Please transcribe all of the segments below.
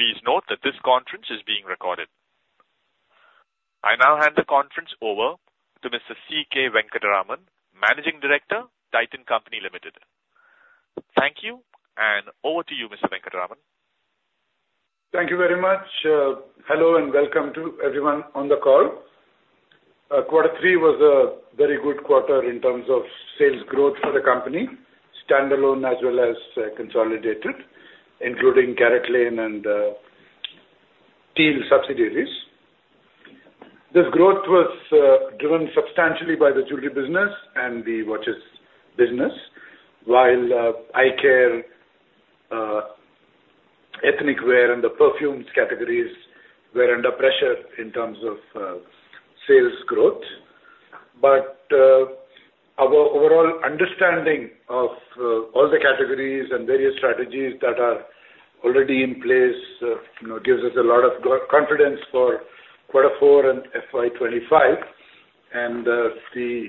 Please note that this conference is being recorded. I now hand the conference over to Mr. C.K. Venkataraman, Managing Director, Titan Company Limited. Thank you, and over to you, Mr. Venkataraman. Thank you very much. Hello, and welcome to everyone on the call. Quarter three was a very good quarter in terms of sales growth for the company, standalone as well as consolidated, including CaratLane and TEAL subsidiaries. This growth was driven substantially by the jewelry business and the watches business, while EyeCare, ethnic wear, and the perfumes categories were under pressure in terms of sales growth. But our overall understanding of all the categories and various strategies that are already in place, you know, gives us a lot of confidence for quarter four and FY 25. And the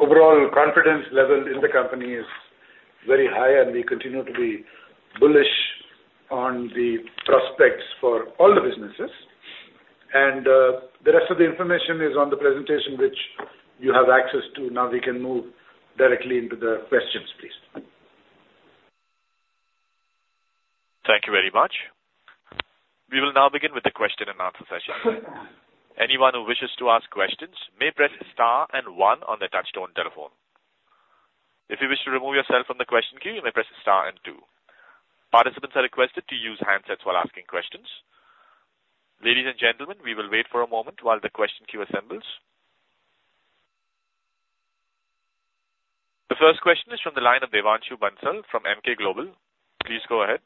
overall confidence level in the company is very high, and we continue to be bullish on the prospects for all the businesses. And the rest of the information is on the presentation, which you have access to. Now, we can move directly into the questions, please. Thank you very much. We will now begin with the question and answer session. Anyone who wishes to ask questions may press star and one on their touchtone telephone. If you wish to remove yourself from the question queue, you may press star and two. Participants are requested to use handsets while asking questions. Ladies and gentlemen, we will wait for a moment while the question queue assembles. The first question is from the line of Devanshu Bansal from EMKAY Global. Please go ahead.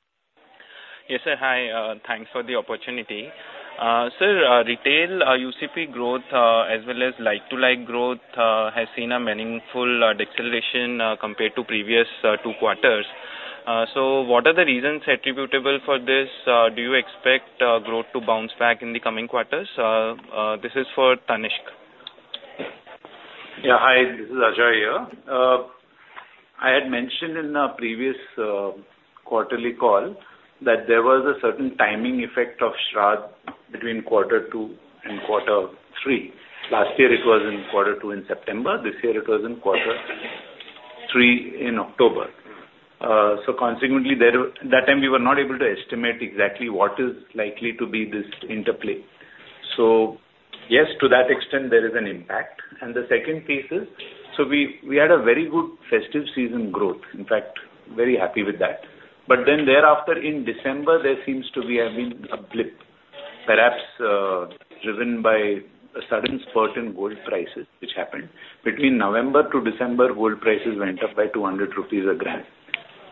Yes, sir. Hi, thanks for the opportunity. Sir, retail, UCP growth, as well as like-to-like growth, has seen a meaningful deceleration, compared to previous two quarters. So what are the reasons attributable for this? Do you expect growth to bounce back in the coming quarters? This is for Tanishq. Yeah. Hi, this is Ajoy here. I had mentioned in a previous quarterly call that there was a certain timing effect of Shradh between quarter two and quarter three. Last year, it was in quarter two in September. This year it was in quarter three in October. So consequently, there, that time, we were not able to estimate exactly what is likely to be this interplay. So yes, to that extent, there is an impact. And the second piece is, so we had a very good festive season growth. In fact, very happy with that. But then thereafter, in December, there seems to be having a blip, perhaps, driven by a sudden spurt in gold prices, which happened. Between November to December, gold prices went up by 200 rupees a gram,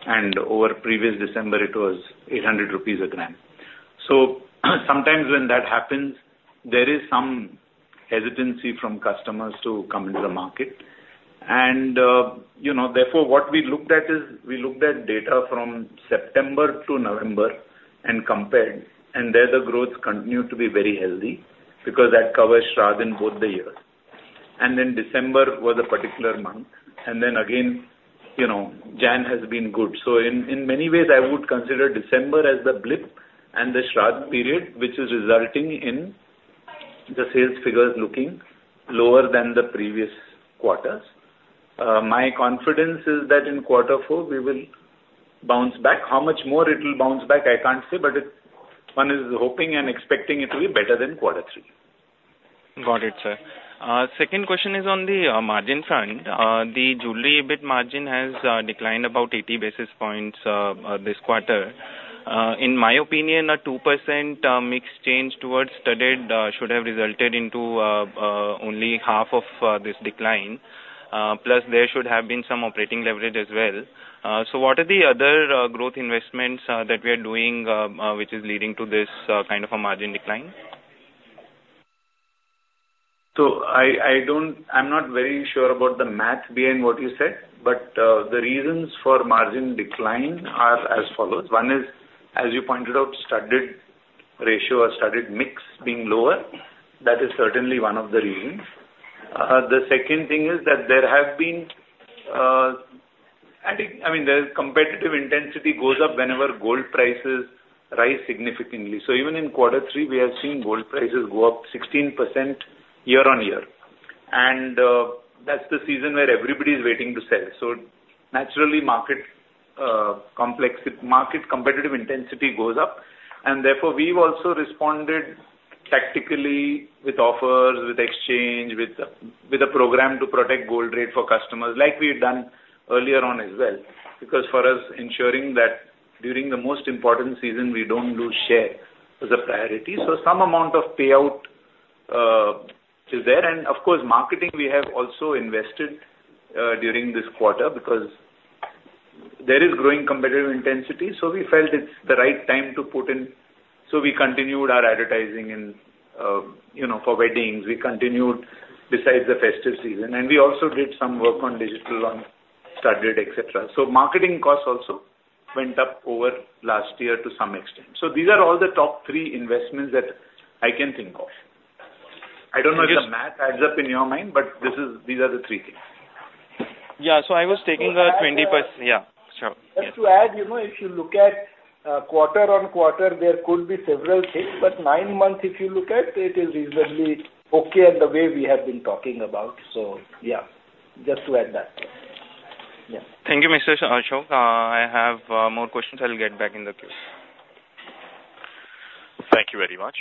and over previous December, it was 800 rupees a gram. So sometimes when that happens, there is some hesitancy from customers to come into the market. And, you know, therefore, what we looked at is, we looked at data from September to November and compared, and there the growth continued to be very healthy because that covers Shradh in both the years. And then December was a particular month, and then again, you know, January has been good. So in many ways, I would consider December as the blip and the Shradh period, which is resulting in the sales figures looking lower than the previous quarters. My confidence is that in quarter four we will bounce back. How much more it will bounce back, I can't say, but one is hoping and expecting it to be better than quarter three. Got it, sir. Second question is on the margin front. The jewelry EBIT margin has declined about 80 basis points this quarter. In my opinion, a 2% mix change towards studded should have resulted into only half of this decline. Plus, there should have been some operating leverage as well. So what are the other growth investments that we are doing which is leading to this kind of a margin decline? So I don't... I'm not very sure about the math behind what you said, but, the reasons for margin decline are as follows: One is, as you pointed out, studded ratio or studded mix being lower. That is certainly one of the reasons. The second thing is that there have been, I think, I mean, the competitive intensity goes up whenever gold prices rise significantly. So even in quarter three, we have seen gold prices go up 16% year-on-year. And, that's the season where everybody is waiting to sell. So naturally, market competitive intensity goes up, and therefore, we've also responded tactically with offers, with exchange, with, with a program to protect gold rate for customers like we've done earlier on as well. Because for us, ensuring that during the most important season, we don't lose share is a priority. So some amount of payout is there. And of course, marketing, we have also invested during this quarter because there is growing competitive intensity, so we felt it's the right time to put in. So we continued our advertising and, you know, for weddings, we continued besides the festive season. And we also did some work on digital, on studded, et cetera. So marketing costs also went up over last year to some extent. So these are all the top three investments that I can think of. I don't know if the math adds up in your mind, but this is, these are the three things.... Yeah, so I was taking 20%. Yeah, sure. Just to add, you know, if you look at quarter-on-quarter, there could be several things, but nine months, if you look at, it is reasonably okay and the way we have been talking about. So, yeah, just to add that. Yeah. Thank you, Mr. Ashok. I have more questions. I'll get back in the queue. Thank you very much.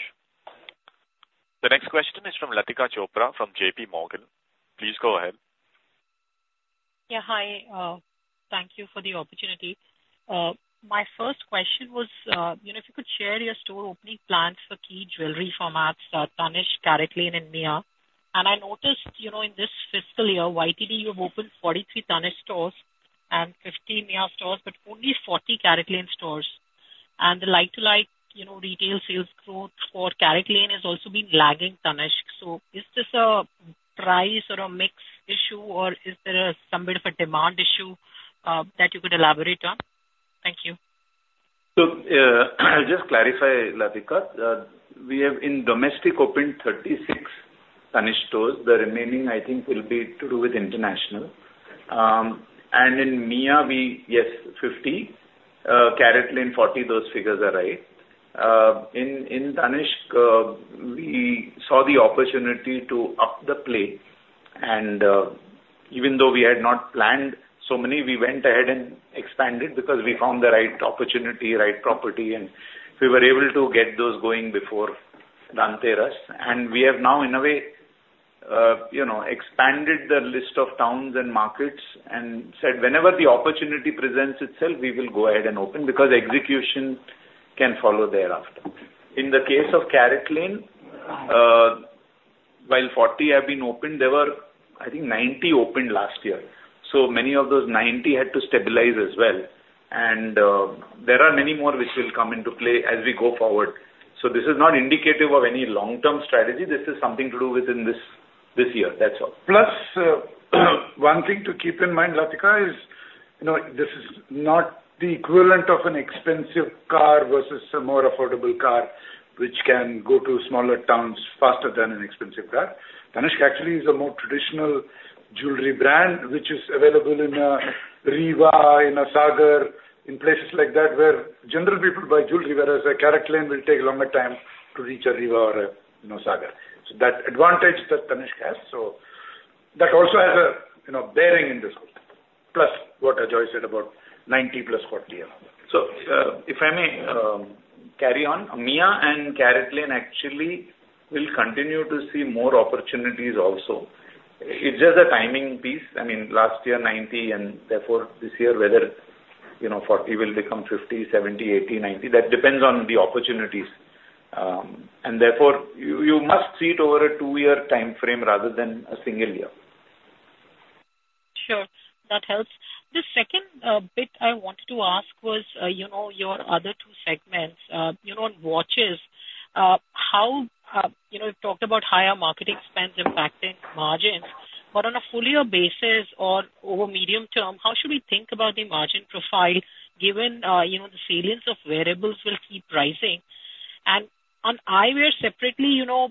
The next question is from Latika Chopra from J.P. Morgan. Please go ahead. Yeah, hi. Thank you for the opportunity. My first question was, you know, if you could share your store opening plans for key jewelry formats, Tanishq, CaratLane, and Mia. And I noticed, you know, in this fiscal year, YTD, you've opened 43 Tanishq stores and 15 Mia stores, but only 40 CaratLane stores. And the like-to-like, you know, retail sales growth for CaratLane has also been lagging Tanishq. So is this a price or a mix issue, or is there some bit of a demand issue that you could elaborate on? Thank you. So, I'll just clarify, Latika. We have in domestic opened 36 Tanishq stores. The remaining, I think, will be to do with international. And in Mia, we... Yes, 50, CaratLane, 40. Those figures are right. In Tanishq, we saw the opportunity to up the play. And even though we had not planned so many, we went ahead and expanded because we found the right opportunity, right property, and we were able to get those going before Dhanteras. And we have now, in a way, you know, expanded the list of towns and markets and said whenever the opportunity presents itself, we will go ahead and open, because execution can follow thereafter. In the case of CaratLane, while 40 have been opened, there were, I think, 90 opened last year. So many of those 90 had to stabilize as well. There are many more which will come into play as we go forward. This is not indicative of any long-term strategy. This is something to do within this, this year. That's all. Plus, one thing to keep in mind, Latika, is, you know, this is not the equivalent of an expensive car versus a more affordable car, which can go to smaller towns faster than an expensive car. Tanishq actually is a more traditional jewelry brand, which is available in Rewa, in Sagar, in places like that, where general people buy jewelry, whereas a CaratLane will take a longer time to reach a Rewa or a, you know, Sagar. So that advantage that Tanishq has, so that also has a, you know, bearing in this, plus what Ajoy said about 90 + 40. So, if I may, carry on. Mia and CaratLane actually will continue to see more opportunities also. It's just a timing piece. I mean, last year, 90, and therefore, this year, whether, you know, 40 will become 50, 70, 80, 90, that depends on the opportunities. And therefore, you, you must see it over a 2-year timeframe rather than a single year. Sure, that helps. The second bit I wanted to ask was, you know, your other two segments. You know, on watches, how, you know, you talked about higher marketing spends impacting margins, but on a full year basis or over medium term, how should we think about the margin profile, given, you know, the salience of wearables will keep rising? And on eyewear separately, you know,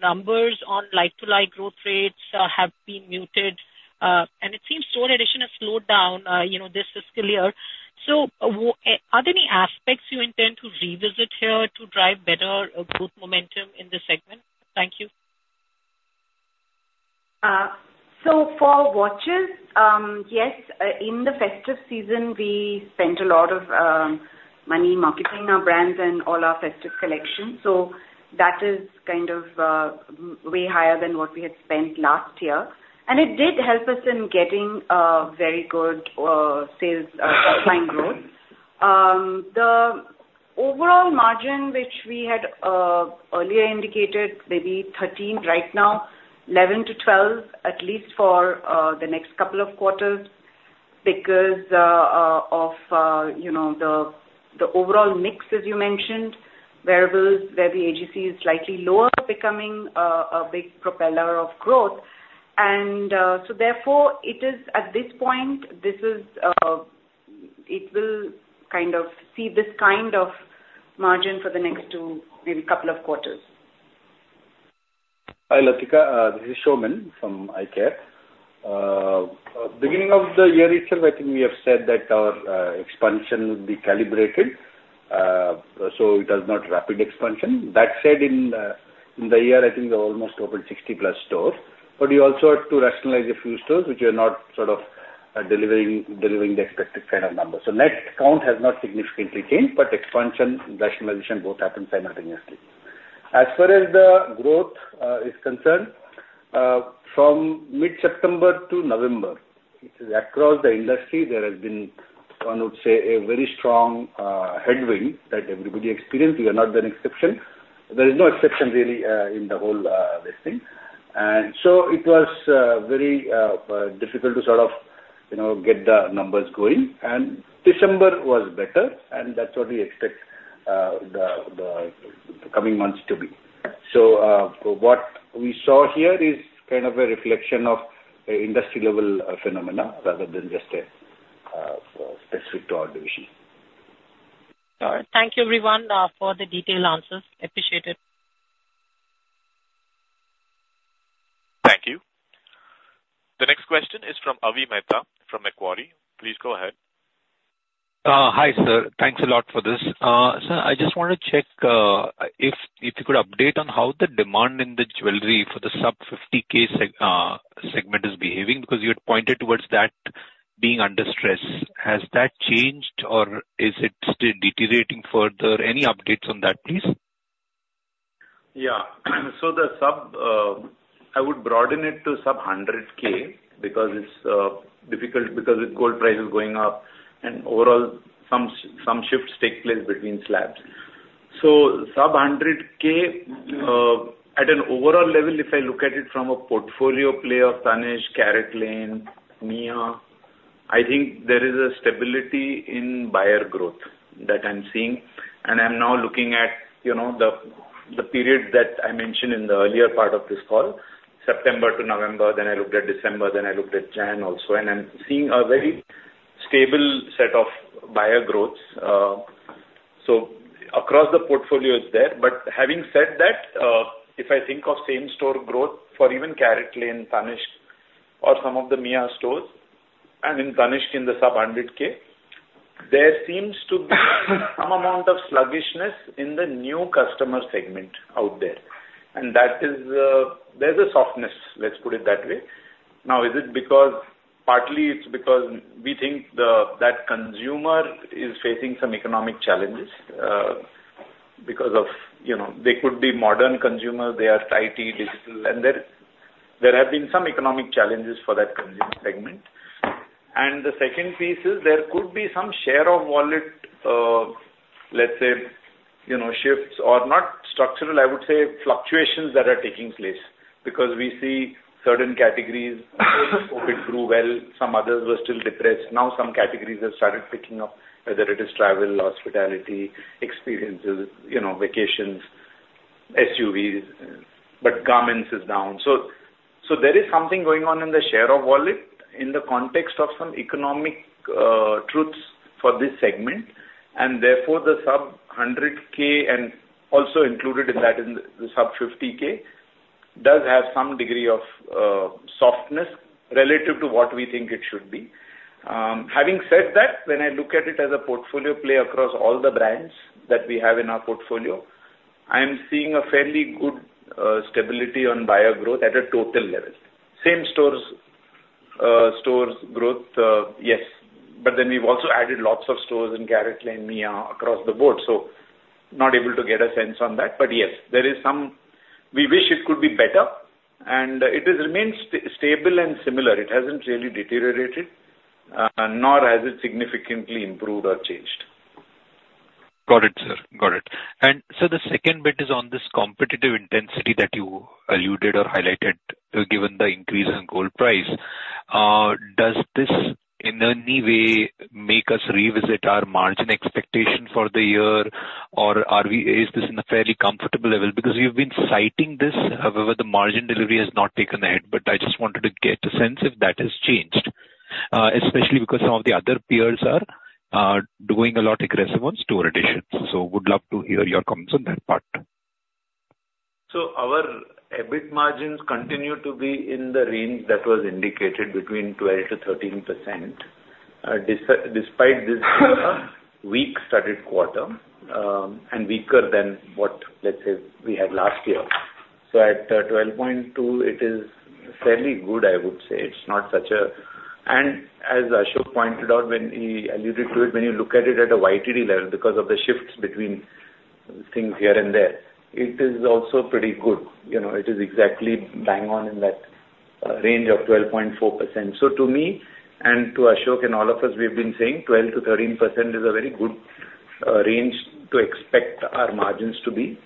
numbers on like-to-like growth rates have been muted, and it seems store addition has slowed down, you know, this fiscal year. So are there any aspects you intend to revisit here to drive better growth momentum in this segment? Thank you. So for watches, yes, in the festive season, we spent a lot of money marketing our brands and all our festive collections. So that is kind of way higher than what we had spent last year. And it did help us in getting a very good sales top-line growth. The overall margin, which we had earlier indicated, maybe 13, right now 11-12, at least for the next couple of quarters, because of you know, the overall mix, as you mentioned, wearables where the ASP is slightly lower, becoming a big propeller of growth. And so therefore, it is at this point, this is, it will kind of see this kind of margin for the next two, maybe couple of quarters. Hi, Latika, this is Saumen from EyeCare. Beginning of the year itself, I think we have said that our expansion will be calibrated, so it is not rapid expansion. That said, in the year, I think we almost opened 60+ stores, but you also have to rationalize a few stores which are not sort of delivering the expected kind of numbers. Net count has not significantly changed, but expansion, rationalization both happened simultaneously. As far as the growth is concerned, from mid-September to November, across the industry, there has been, one would say, a very strong headwind that everybody experienced. We are not an exception. There is no exception really in the whole this thing. So it was very difficult to sort of, you know, get the numbers going. December was better, and that's what we expect the coming months to be. So, what we saw here is kind of a reflection of a industry-level phenomena, rather than just a specific to our division. All right. Thank you everyone, for the detailed answers. Appreciate it. ...Thank you. The next question is from Avi Mehta, from Macquarie. Please go ahead. Hi, sir. Thanks a lot for this. Sir, I just want to check if you could update on how the demand in the jewelry for the sub 50K seg segment is behaving, because you had pointed towards that being under stress. Has that changed or is it still deteriorating further? Any updates on that, please? Yeah. So the sub, I would broaden it to sub 100K, because it's difficult, because the gold price is going up, and overall, some, some shifts take place between slabs. So sub 100K, at an overall level, if I look at it from a portfolio play of Tanishq, CaratLane, Mia, I think there is a stability in buyer growth that I'm seeing. And I'm now looking at, you know, the, the period that I mentioned in the earlier part of this call, September to November, then I looked at December, then I looked at January also, and I'm seeing a very stable set of buyer growths. So across the portfolio it's there. But having said that, if I think of same store growth for even CaratLane and Tanishq or some of the Mia stores, and in Tanishq, in the sub-100K, there seems to be some amount of sluggishness in the new customer segment out there. And that is, there's a softness, let's put it that way. Now, is it because... partly it's because we think the, that consumer is facing some economic challenges, because of, you know, they could be modern consumer, they are IT, digital, and there, there have been some economic challenges for that consumer segment. And the second piece is, there could be some share of wallet, let's say, you know, shifts or not structural, I would say, fluctuations that are taking place. Because we see certain categories, COVID grew well, some others were still depressed, now some categories have started picking up, whether it is travel, hospitality, experiences, you know, vacations, SUVs, but garments is down. So there is something going on in the share of wallet in the context of some economic truths for this segment, and therefore, the sub-100K and also included in that in the sub-50K does have some degree of softness relative to what we think it should be. Having said that, when I look at it as a portfolio play across all the brands that we have in our portfolio, I am seeing a fairly good stability on buyer growth at a total level. Same stores growth, yes, but then we've also added lots of stores in CaratLane, Mia, across the board, so not able to get a sense on that. But yes, there is some... We wish it could be better, and it has remained stable and similar. It hasn't really deteriorated, nor has it significantly improved or changed. Got it, sir. Got it. And so the second bit is on this competitive intensity that you alluded or highlighted, given the increase in gold price. Does this in any way make us revisit our margin expectation for the year, or are we- is this in a fairly comfortable level? Because you've been citing this, however, the margin delivery has not taken ahead. But I just wanted to get a sense if that has changed, especially because some of the other peers are doing a lot aggressive on store additions. So would love to hear your comments on that part. So our EBIT margins continue to be in the range that was indicated between 12%-13%, despite this weak studded quarter, and weaker than what, let's say, we had last year. So at 12.2, it is fairly good, I would say. It's not such a... And as Ashok pointed out when he alluded to it, when you look at it at a YTD level, because of the shifts between things here and there, it is also pretty good. You know, it is exactly bang on in that range of 12.4%. So to me, and to Ashok and all of us, we've been saying 12%-13% is a very good range to expect our margins to be,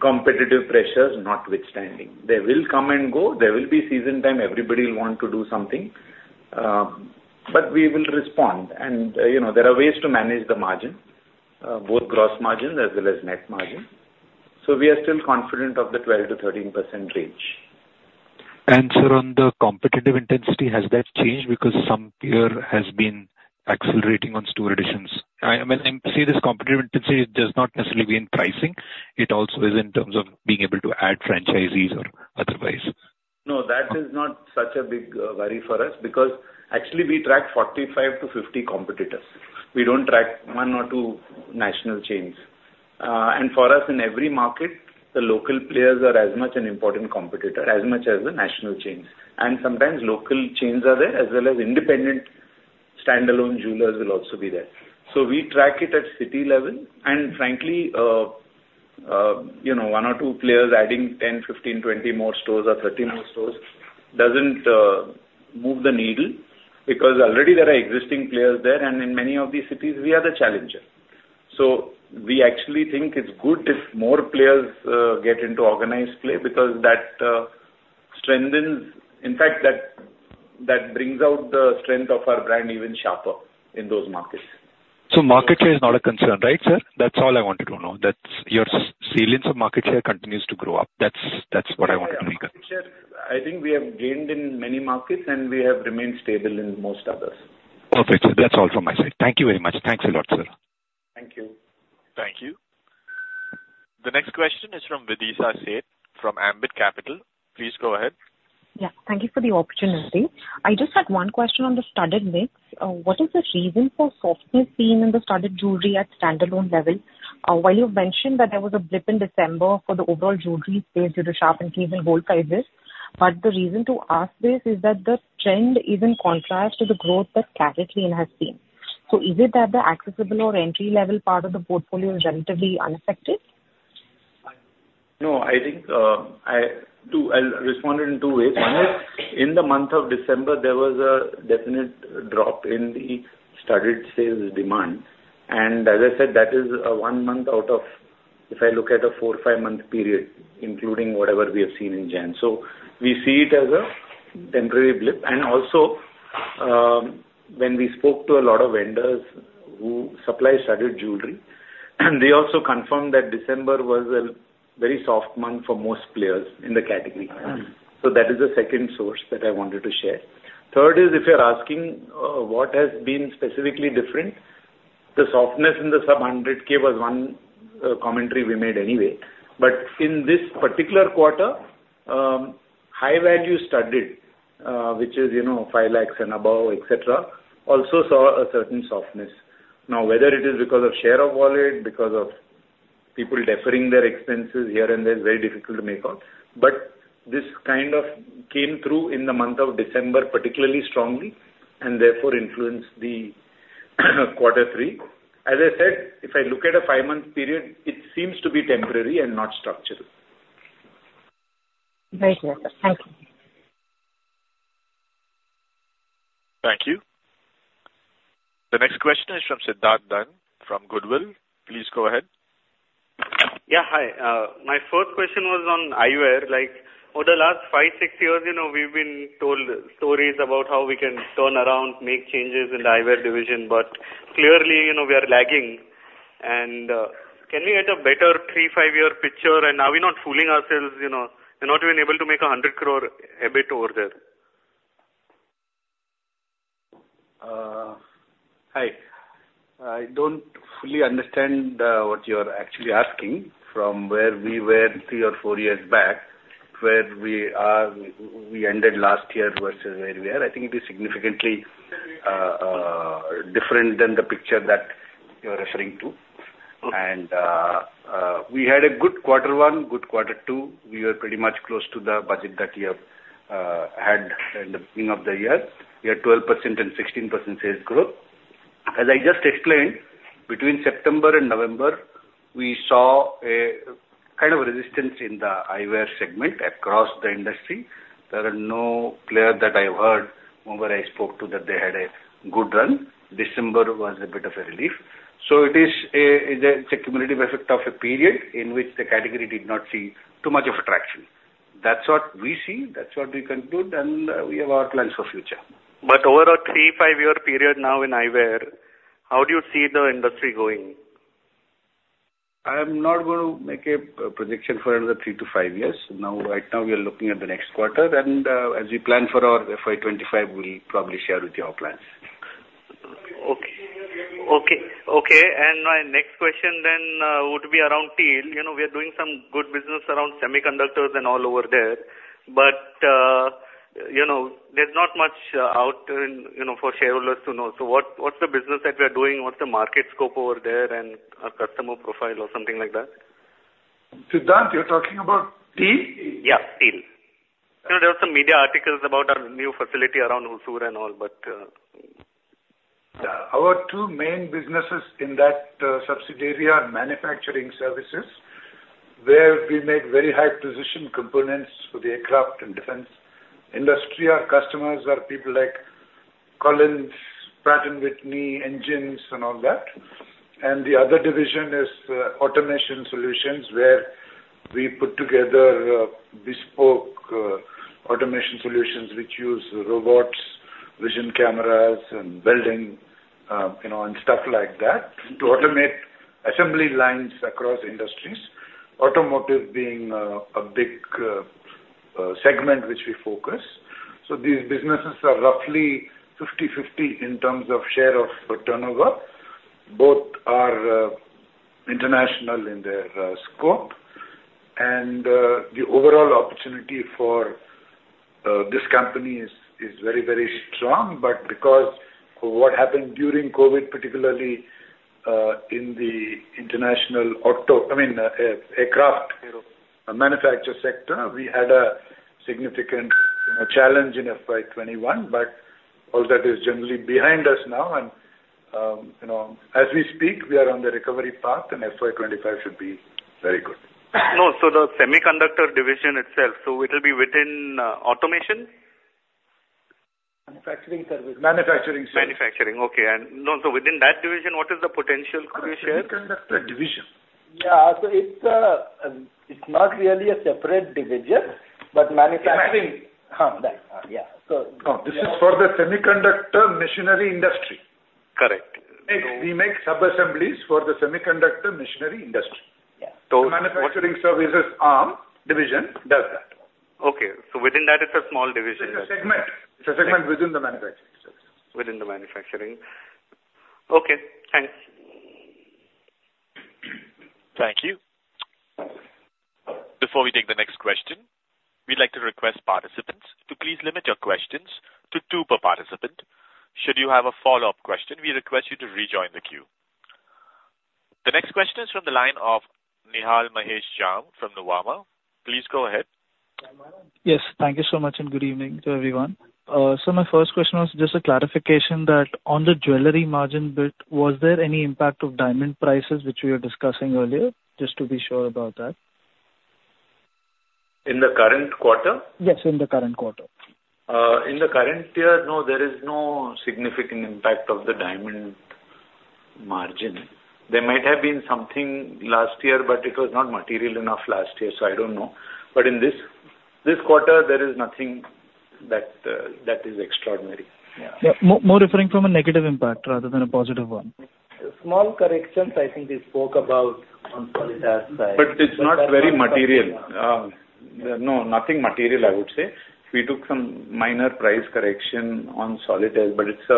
competitive pressures notwithstanding. They will come and go, there will be season time, everybody will want to do something, but we will respond. And, you know, there are ways to manage the margin, both gross margin as well as net margin. So we are still confident of the 12%-13% range. Sir, on the competitive intensity, has that changed? Because some peer has been accelerating on store additions. I, when I say this, competitive intensity does not necessarily be in pricing. It also is in terms of being able to add franchisees or otherwise. No, that is not such a big worry for us, because actually we track 45-50 competitors. We don't track 1 or 2 national chains. And for us, in every market, the local players are as much an important competitor, as much as the national chains. And sometimes local chains are there, as well as independent standalone jewelers will also be there. So we track it at city level, and frankly, you know, 1 or 2 players adding 10, 15, 20 more stores or 30 more stores, doesn't move the needle, because already there are existing players there, and in many of these cities, we are the challenger. So we actually think it's good if more players get into organized play, because that strengthens. In fact, that brings out the strength of our brand even sharper in those markets. Market share is not a concern, right, sir? That's all I wanted to know. That's, your salience of market share continues to grow up. That's, that's what I wanted to know.... I think we have gained in many markets, and we have remained stable in most others. Perfect. That's all from my side. Thank you very much. Thanks a lot, sir. Thank you. Thank you. The next question is from Videesha Sheth, from Ambit Capital. Please go ahead. Yeah, thank you for the opportunity. I just had one question on the studded mix. What is the reason for softness seen in the studded jewelry at standalone level? While you've mentioned that there was a blip in December for the overall jewelry space due to sharp increase in gold prices, but the reason to ask this is that the trend is in contrast to the growth that category has seen. So is it that the accessible or entry-level part of the portfolio is relatively unaffected? No, I think, I'll respond it in two ways. One is, in the month of December, there was a definite drop in the studded sales demand, and as I said, that is one month out of... If I look at a four, five-month period, including whatever we have seen in January. So we see it as a temporary blip. And also, when we spoke to a lot of vendors who supply studded jewelry, they also confirmed that December was a very soft month for most players in the category. So that is the second source that I wanted to share. Third is, if you're asking what has been specifically different, the softness in the sub-100K was one commentary we made anyway. But in this particular quarter, high-value studded, which is, you know, INR 5 lakhs and above, et cetera, also saw a certain softness. Now, whether it is because of share of wallet, because of people deferring their expenses here and there, it's very difficult to make out. But this kind of came through in the month of December, particularly strongly, and therefore influenced quarter three. As I said, if I look at a five-month period, it seems to be temporary and not structural. Very clear. Thank you. Thank you. The next question is from Siddhant Dand, from Goodwill. Please go ahead. Yeah, hi. My first question was on eyewear. Like, over the last 5-6 years, you know, we've been told stories about how we can turn around, make changes in the eyewear division, but clearly, you know, we are lagging. Can we get a better 3-5-year picture? And are we not fooling ourselves, you know, we're not even able to make 100 crore EBIT over there. Hi. I don't fully understand what you're actually asking. From where we were three or four years back, where we are, we ended last year versus where we are, I think it is significantly different than the picture that you're referring to. Okay. And, we had a good quarter one, good quarter two. We were pretty much close to the budget that we have had in the beginning of the year. We had 12% and 16% sales growth. As I just explained, between September and November, we saw a kind of resistance in the eyewear segment across the industry. There are no player that I heard, whoever I spoke to, that they had a good run. December was a bit of a relief. So it is a, it's a cumulative effect of a period in which the category did not see too much of attraction. That's what we see, that's what we conclude, and we have our plans for future. Over a 3-5-year period now in eyewear, how do you see the industry going? I am not going to make a projection for another three to five years. Now, right now, we are looking at the next quarter, and as we plan for our FY 25, we'll probably share with you our plans. Okay. Okay, okay, and my next question then would be around TEAL. You know, we are doing some good business around semiconductors and all over there, but you know, there's not much out in, you know, for shareholders to know. So what, what's the business that we are doing? What's the market scope over there and our customer profile or something like that? Siddharth, you're talking about TEAL? Yeah, TEAL. You know, there are some media articles about our new facility around Hosur and all, but... Yeah. Our two main businesses in that subsidiary are manufacturing services, where we make very high precision components for the aircraft and defense industry. Our customers are people like Collins, Pratt & Whitney, engines and all that. And the other division is automation solutions, where we put together bespoke automation solutions which use robots, vision cameras and welding, you know, and stuff like that, to automate assembly lines across industries, automotive being a big segment which we focus. So these businesses are roughly 50/50 in terms of share of turnover. Both are international in their scope. And the overall opportunity for this company is very, very strong. But because what happened during COVID, particularly, in the international auto- I mean, aircraft manufacturer sector, we had a significant challenge in FY 21, but all that is generally behind us now. And, you know, as we speak, we are on the recovery path, and FY 25 should be very good. No, so the semiconductor division itself, so it'll be within, automation? Manufacturing service. Manufacturing. Manufacturing, okay. No, so within that division, what is the potential to be shared? Semiconductor division. Yeah. It's not really a separate division, but manufacturing- Manufacturing. Yeah. So- No, this is for the semiconductor machinery industry. Correct. We make sub-assemblies for the semiconductor machinery industry. The manufacturing services division does that. Okay, so within that, it's a small division. It's a segment. It's a segment within the manufacturing services. Within the manufacturing. Okay, thanks. Thank you. Before we take the next question, we'd like to request participants to please limit your questions to two per participant. Should you have a follow-up question, we request you to rejoin the queue. The next question is from the line of Nihal Mahesh Jham from Nuvama. Please go ahead. Yes, thank you so much, and good evening to everyone. So my first question was just a clarification that on the jewelry margin bit, was there any impact of diamond prices which we were discussing earlier? Just to be sure about that. In the current quarter? Yes, in the current quarter. In the current year, no, there is no significant impact of the diamond margin. There might have been something last year, but it was not material enough last year, so I don't know. But in this, this quarter, there is nothing that, that is extraordinary. Yeah. Yeah. More referring from a negative impact rather than a positive one. Small corrections, I think we spoke about on solitaire side. But it's not very material. No, nothing material, I would say. We took some minor price correction on solitaire, but it's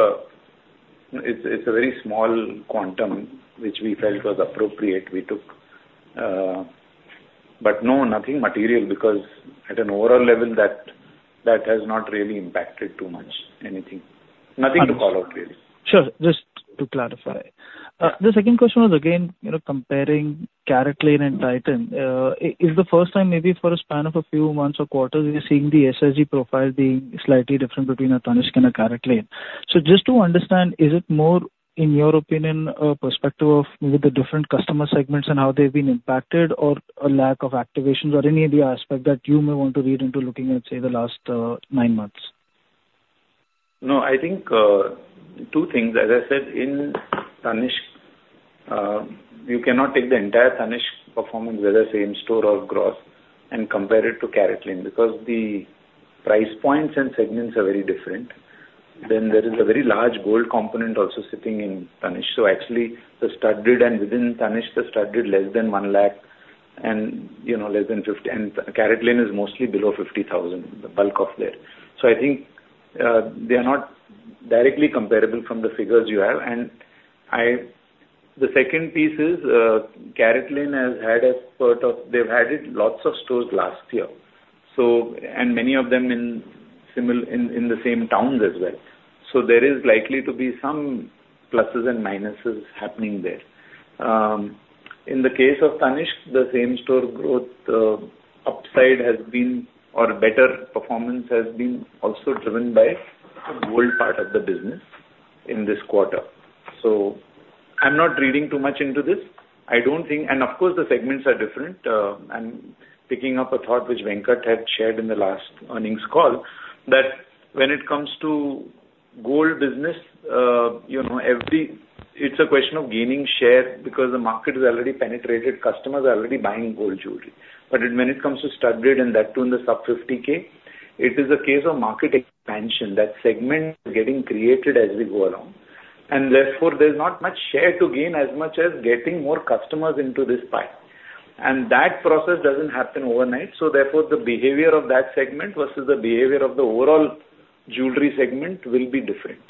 a very small quantum, which we felt was appropriate, we took. But no, nothing material, because at an overall level that has not really impacted too much anything. Nothing to call out, really. Sure, just to clarify. The second question was, again, you know, comparing CaratLane and Titan. Is the first time, maybe for a span of a few months or quarters, we are seeing the SSG profile being slightly different between a Tanishq and a CaratLane. So just to understand, is it more, in your opinion, a perspective of maybe the different customer segments and how they've been impacted, or a lack of activations, or any other aspect that you may want to read into looking at, say, the last nine months? No, I think, two things. As I said, in Tanishq, you cannot take the entire Tanishq performance, whether same store or growth, and compare it to CaratLane, because the price points and segments are very different. Then there is a very large gold component also sitting in Tanishq. So actually, the studded and within Tanishq, the studded less than 100,000 and, you know, less than 50... CaratLane is mostly below 50,000, the bulk of their. So I think, they are not directly comparable from the figures you have. The second piece is, CaratLane has had a spurt of- they've added lots of stores last year, so, and many of them in similar, in the same towns as well. So there is likely to be some pluses and minuses happening there. In the case of Tanishq, the same-store growth, upside has been or better performance has been also driven by the gold part of the business in this quarter. So I'm not reading too much into this. I don't think... And of course, the segments are different. I'm picking up a thought which Venkat had shared in the last earnings call, that when it comes to gold business, you know, it's a question of gaining share because the market is already penetrated. Customers are already buying gold jewelry. But when it comes to studded and that too, in the sub-50K, it is a case of market expansion. That segment is getting created as we go along, and therefore, there's not much share to gain as much as getting more customers into this pie. That process doesn't happen overnight, so therefore, the behavior of that segment versus the behavior of the overall jewelry segment will be different.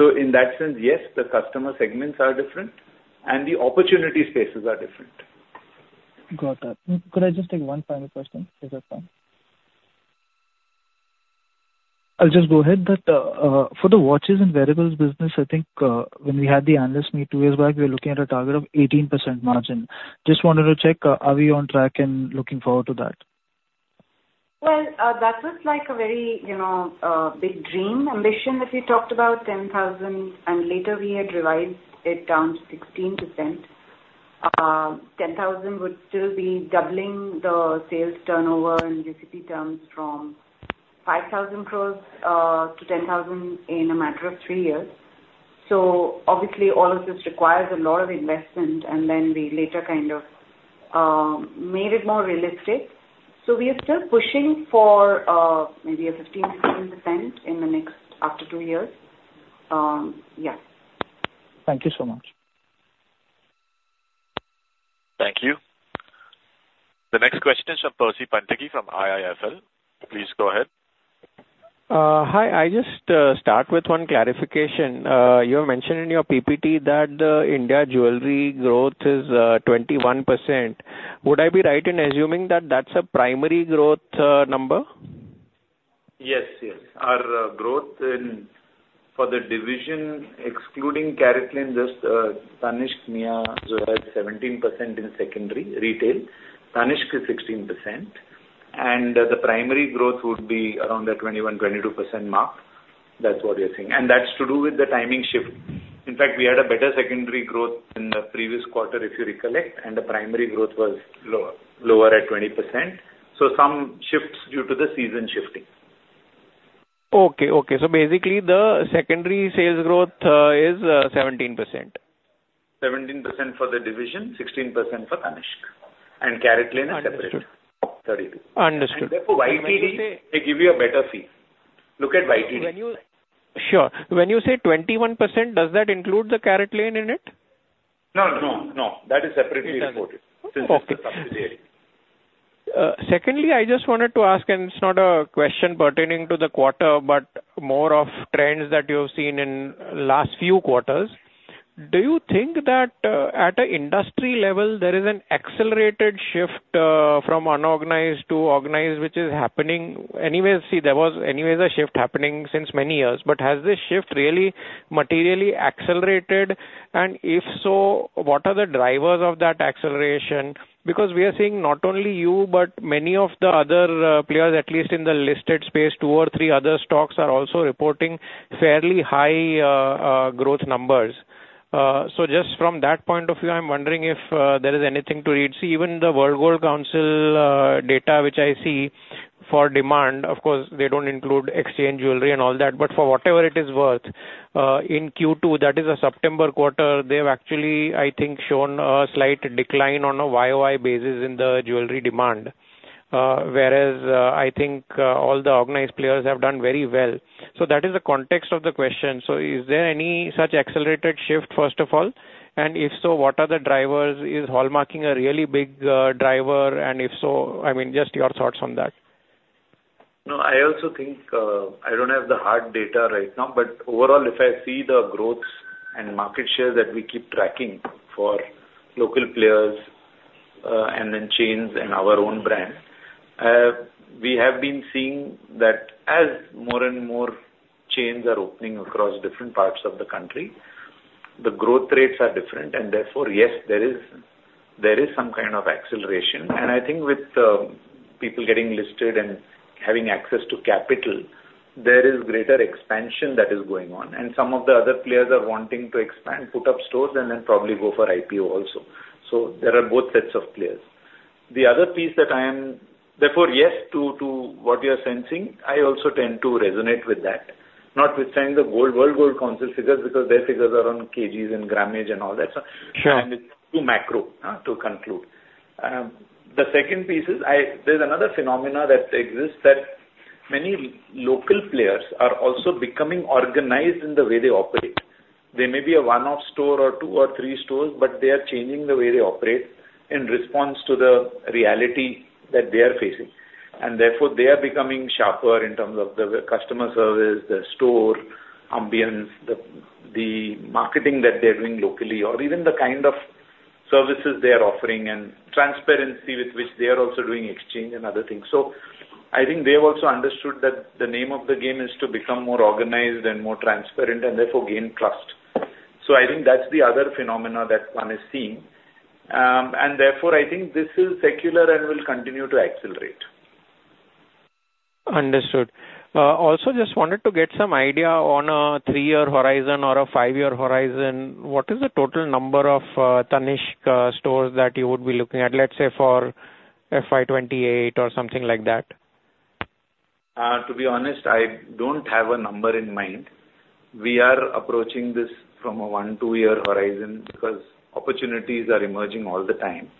In that sense, yes, the customer segments are different and the opportunity spaces are different. Got that. Could I just take one final question, is that fine? I'll just go ahead. But, for the watches and wearables business, I think, when we had the analyst meet two years back, we were looking at a target of 18% margin. Just wanted to check, are we on track in looking forward to that? Well, that was like a very, you know, big dream ambition that we talked about, 10,000, and later we had revised it down to 16%. 10,000 would still be doubling the sales turnover in UCP terms from 5,000 crore to 10,000 crore in a matter of three years. So obviously, all of this requires a lot of investment, and then we later kind of made it more realistic. So we are still pushing for, maybe a 15, 16% in the next... after two years. Yeah. Thank you so much. Thank you. The next question is from Percy Panthaki from IIFL. Please go ahead. Hi. I just start with one clarification. You have mentioned in your PPT that the India jewelry growth is 21%. Would I be right in assuming that that's a primary growth number? Yes, yes. Our growth in, for the division, excluding CaratLane, just, Tanishq, Mia, Zoya, 17% in secondary retail, Tanishq is 16%, and the primary growth would be around the 21%-22% mark. That's what we are seeing. And that's to do with the timing shift. In fact, we had a better secondary growth than the previous quarter, if you recollect, and the primary growth was lower, lower at 20%. So some shifts due to the season shifting. Okay, okay. So basically, the secondary sales growth is 17%. 17% for the division, 16% for Tanishq, and CaratLane is separate, 32. Understood. And therefore, YTD, they give you a better feel... Look at YTD. Sure. When you say 21%, does that include the CaratLane in it? No, no, no. That is separately reported. It does. Since it's a subsidiary. Secondly, I just wanted to ask, and it's not a question pertaining to the quarter, but more of trends that you've seen in last few quarters. Do you think that at a industry level, there is an accelerated shift from unorganized to organized, which is happening anyway? See, there was anyways a shift happening since many years, but has this shift really materially accelerated? And if so, what are the drivers of that acceleration? Because we are seeing not only you, but many of the other players, at least in the listed space, two or three other stocks are also reporting fairly high growth numbers. So just from that point of view, I'm wondering if there is anything to read. See, even the World Gold Council data, which I see for demand, of course, they don't include exchange jewelry, and all that, but for whatever it is worth, in Q2, that is a September quarter, they've actually, I think, shown a slight decline on a YOY basis in the jewelry demand. Whereas, I think, all the organized players have done very well. So that is the context of the question. So is there any such accelerated shift, first of all? And if so, what are the drivers? Is hallmarking a really big driver? And if so, I mean, just your thoughts on that. No, I also think, I don't have the hard data right now, but overall, if I see the growth and market share that we keep tracking for local players, and then chains and our own brand, we have been seeing that as more and more chains are opening across different parts of the country, the growth rates are different, and therefore, yes, there is, there is some kind of acceleration. And I think with, people getting listed and having access to capital, there is greater expansion that is going on, and some of the other players are wanting to expand, put up stores, and then probably go for IPO also. So there are both sets of players. The other piece that I am... Therefore, yes, to, to what you are sensing, I also tend to resonate with that. Not with saying the gold World Gold Council figures, because their figures are on kgs and grammage and all that, so- Sure. It's too macro to conclude. The second piece is, there's another phenomenon that exists, that many local players are also becoming organized in the way they operate. They may be a one-off store or two or three stores, but they are changing the way they operate in response to the reality that they are facing, and therefore, they are becoming sharper in terms of the customer service, the store ambience, the marketing that they're doing locally, or even the kind of services they are offering, and transparency with which they are also doing exchange and other things. So I think they have also understood that the name of the game is to become more organized and more transparent, and therefore, gain trust. So I think that's the other phenomenon that one is seeing. Therefore, I think this is secular and will continue to accelerate. Understood. Also just wanted to get some idea on a 3-year horizon or a 5-year horizon, what is the total number of Tanishq stores that you would be looking at, let's say, for FY 28 or something like that? To be honest, I don't have a number in mind. We are approaching this from a 1-2 year horizon because opportunities are emerging all the time.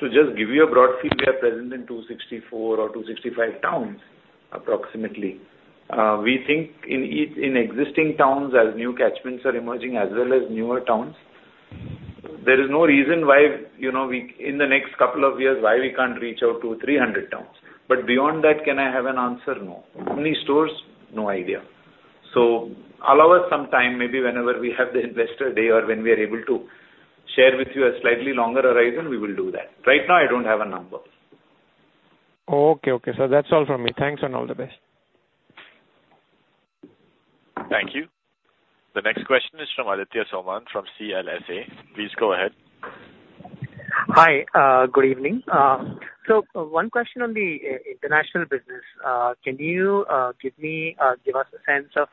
To just give you a broad feel, we are present in 264 or 265 towns, approximately. We think in in existing towns, as new catchments are emerging, as well as newer towns, there is no reason why, you know, we, in the next couple of years, why we can't reach out to 300 towns. But beyond that, can I have an answer? No. How many stores? No idea. So allow us some time, maybe whenever we have the investor day or when we are able to share with you a slightly longer horizon, we will do that. Right now, I don't have a number. Okay, okay. So that's all from me. Thanks, and all the best. Thank you. The next question is from Aditya Soman, from CLSA. Please go ahead. Hi, good evening. So one question on the international business. Can you give me, give us a sense of,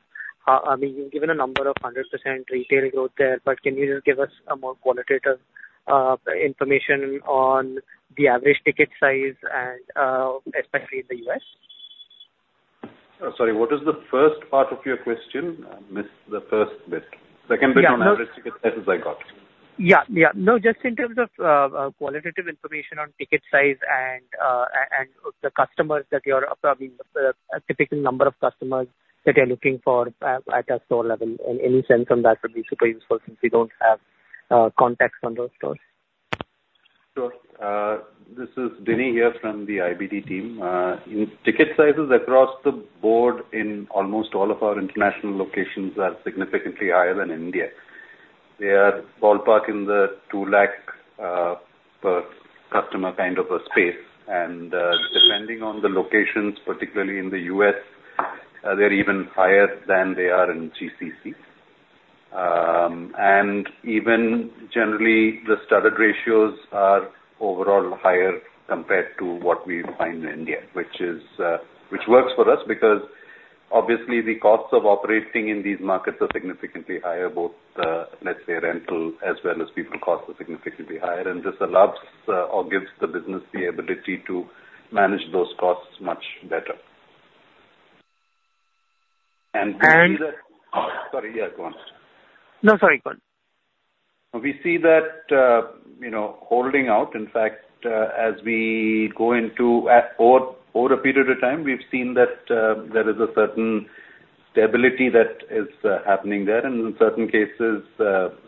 I mean, you've given a number of 100% retail growth there, but can you just give us a more qualitative information on the average ticket size and, especially in the US? Sorry, what is the first part of your question? I missed the first bit. Yeah, no- Second bit on average ticket sizes, I got. Yeah, yeah. No, just in terms of qualitative information on ticket size and the customers that you're... I mean, a typical number of customers that you're looking for at a store level. And any sense on that would be super useful since we don't have context on those stores. Sure. This is Danny here from the IBD team. In ticket sizes across the board in almost all of our international locations are significantly higher than India. They are ballpark in the 2 lakh per customer kind of a space. And, depending on the locations, particularly in the US, they're even higher than they are in GCC. And even generally, the studded ratios are overall higher compared to what we find in India, which works for us, because obviously, the costs of operating in these markets are significantly higher, both, let's say, rental as well as people costs are significantly higher. And this allows or gives the business the ability to manage those costs much better. ... And we see that, sorry, yeah, go on. No, sorry, go on. We see that, you know, holding out, in fact, as we go into it over a period of time, we've seen that there is a certain stability that is happening there. In certain cases,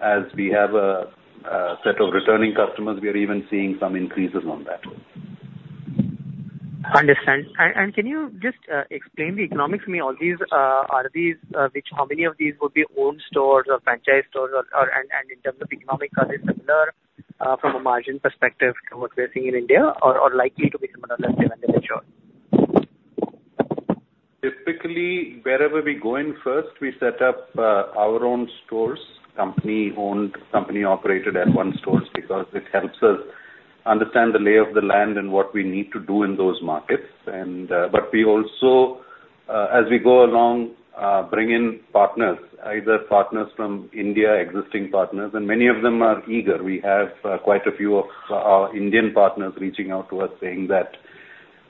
as we have a set of returning customers, we are even seeing some increases on that. Understand. And, and can you just explain the economics? I mean, all these, are these, which, how many of these would be owned stores or franchise stores or, or... And, and in terms of economics, are they similar, from a margin perspective to what we are seeing in India or, or likely to be similar, less than I'm sure? Typically, wherever we go in first, we set up our own stores, company-owned, company-operated, L1 stores, because it helps us understand the lay of the land and what we need to do in those markets. But we also, as we go along, bring in partners, either partners from India, existing partners, and many of them are eager. We have quite a few of our Indian partners reaching out to us, saying that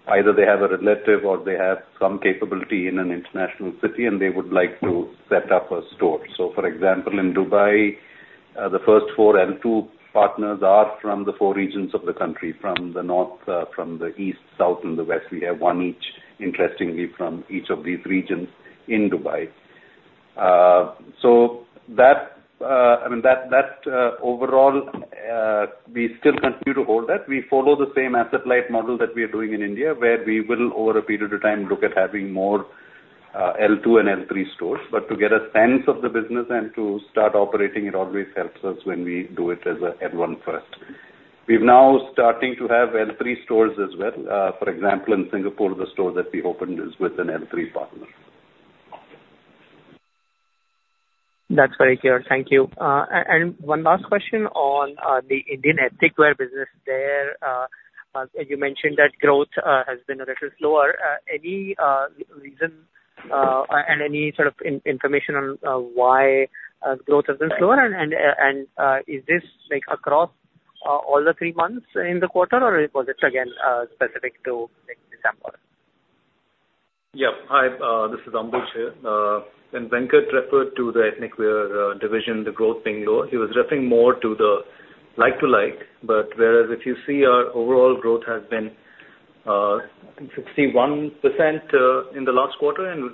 either they have a relative or they have some capability in an international city, and they would like to set up a store. So, for example, in Dubai, the first four L2 partners are from the four regions of the country, from the north, from the east, south, and the west. We have one each, interestingly, from each of these regions in Dubai. So that, I mean, overall, we still continue to hold that. We follow the same asset-light model that we are doing in India, where we will, over a period of time, look at having more L2 and L3 stores. But to get a sense of the business and to start operating, it always helps us when we do it as a L1 first. We're now starting to have L3 stores as well. For example, in Singapore, the store that we opened is with an L3 partner. That's very clear. Thank you. And one last question on the Indian ethnic wear business there. You mentioned that growth has been a little slower. Any reason and any sort of information on why growth has been slower? And is this, like, across all the three months in the quarter, or was it again specific to, like, December? Yeah. Hi, this is Ambuj here. When Venkat referred to the ethnic wear division, the growth being low, he was referring more to the like-to-like. But whereas if you see our overall growth has been, I think 61%, in the last quarter, and with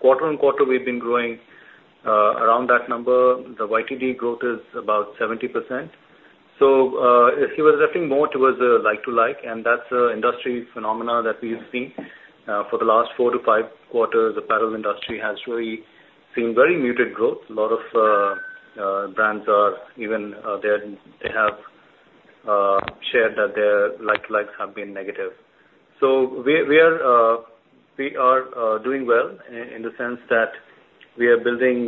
quarter-on-quarter, we've been growing around that number. The YTD growth is about 70%. So, he was referring more towards the like-to-like, and that's an industry phenomenon that we've seen. For the last 4-5 quarters, apparel industry has really seen very muted growth. A lot of brands are even, they are, they have shared that their like-to-likes have been negative. So we, we are, we are doing well in the sense that we are building,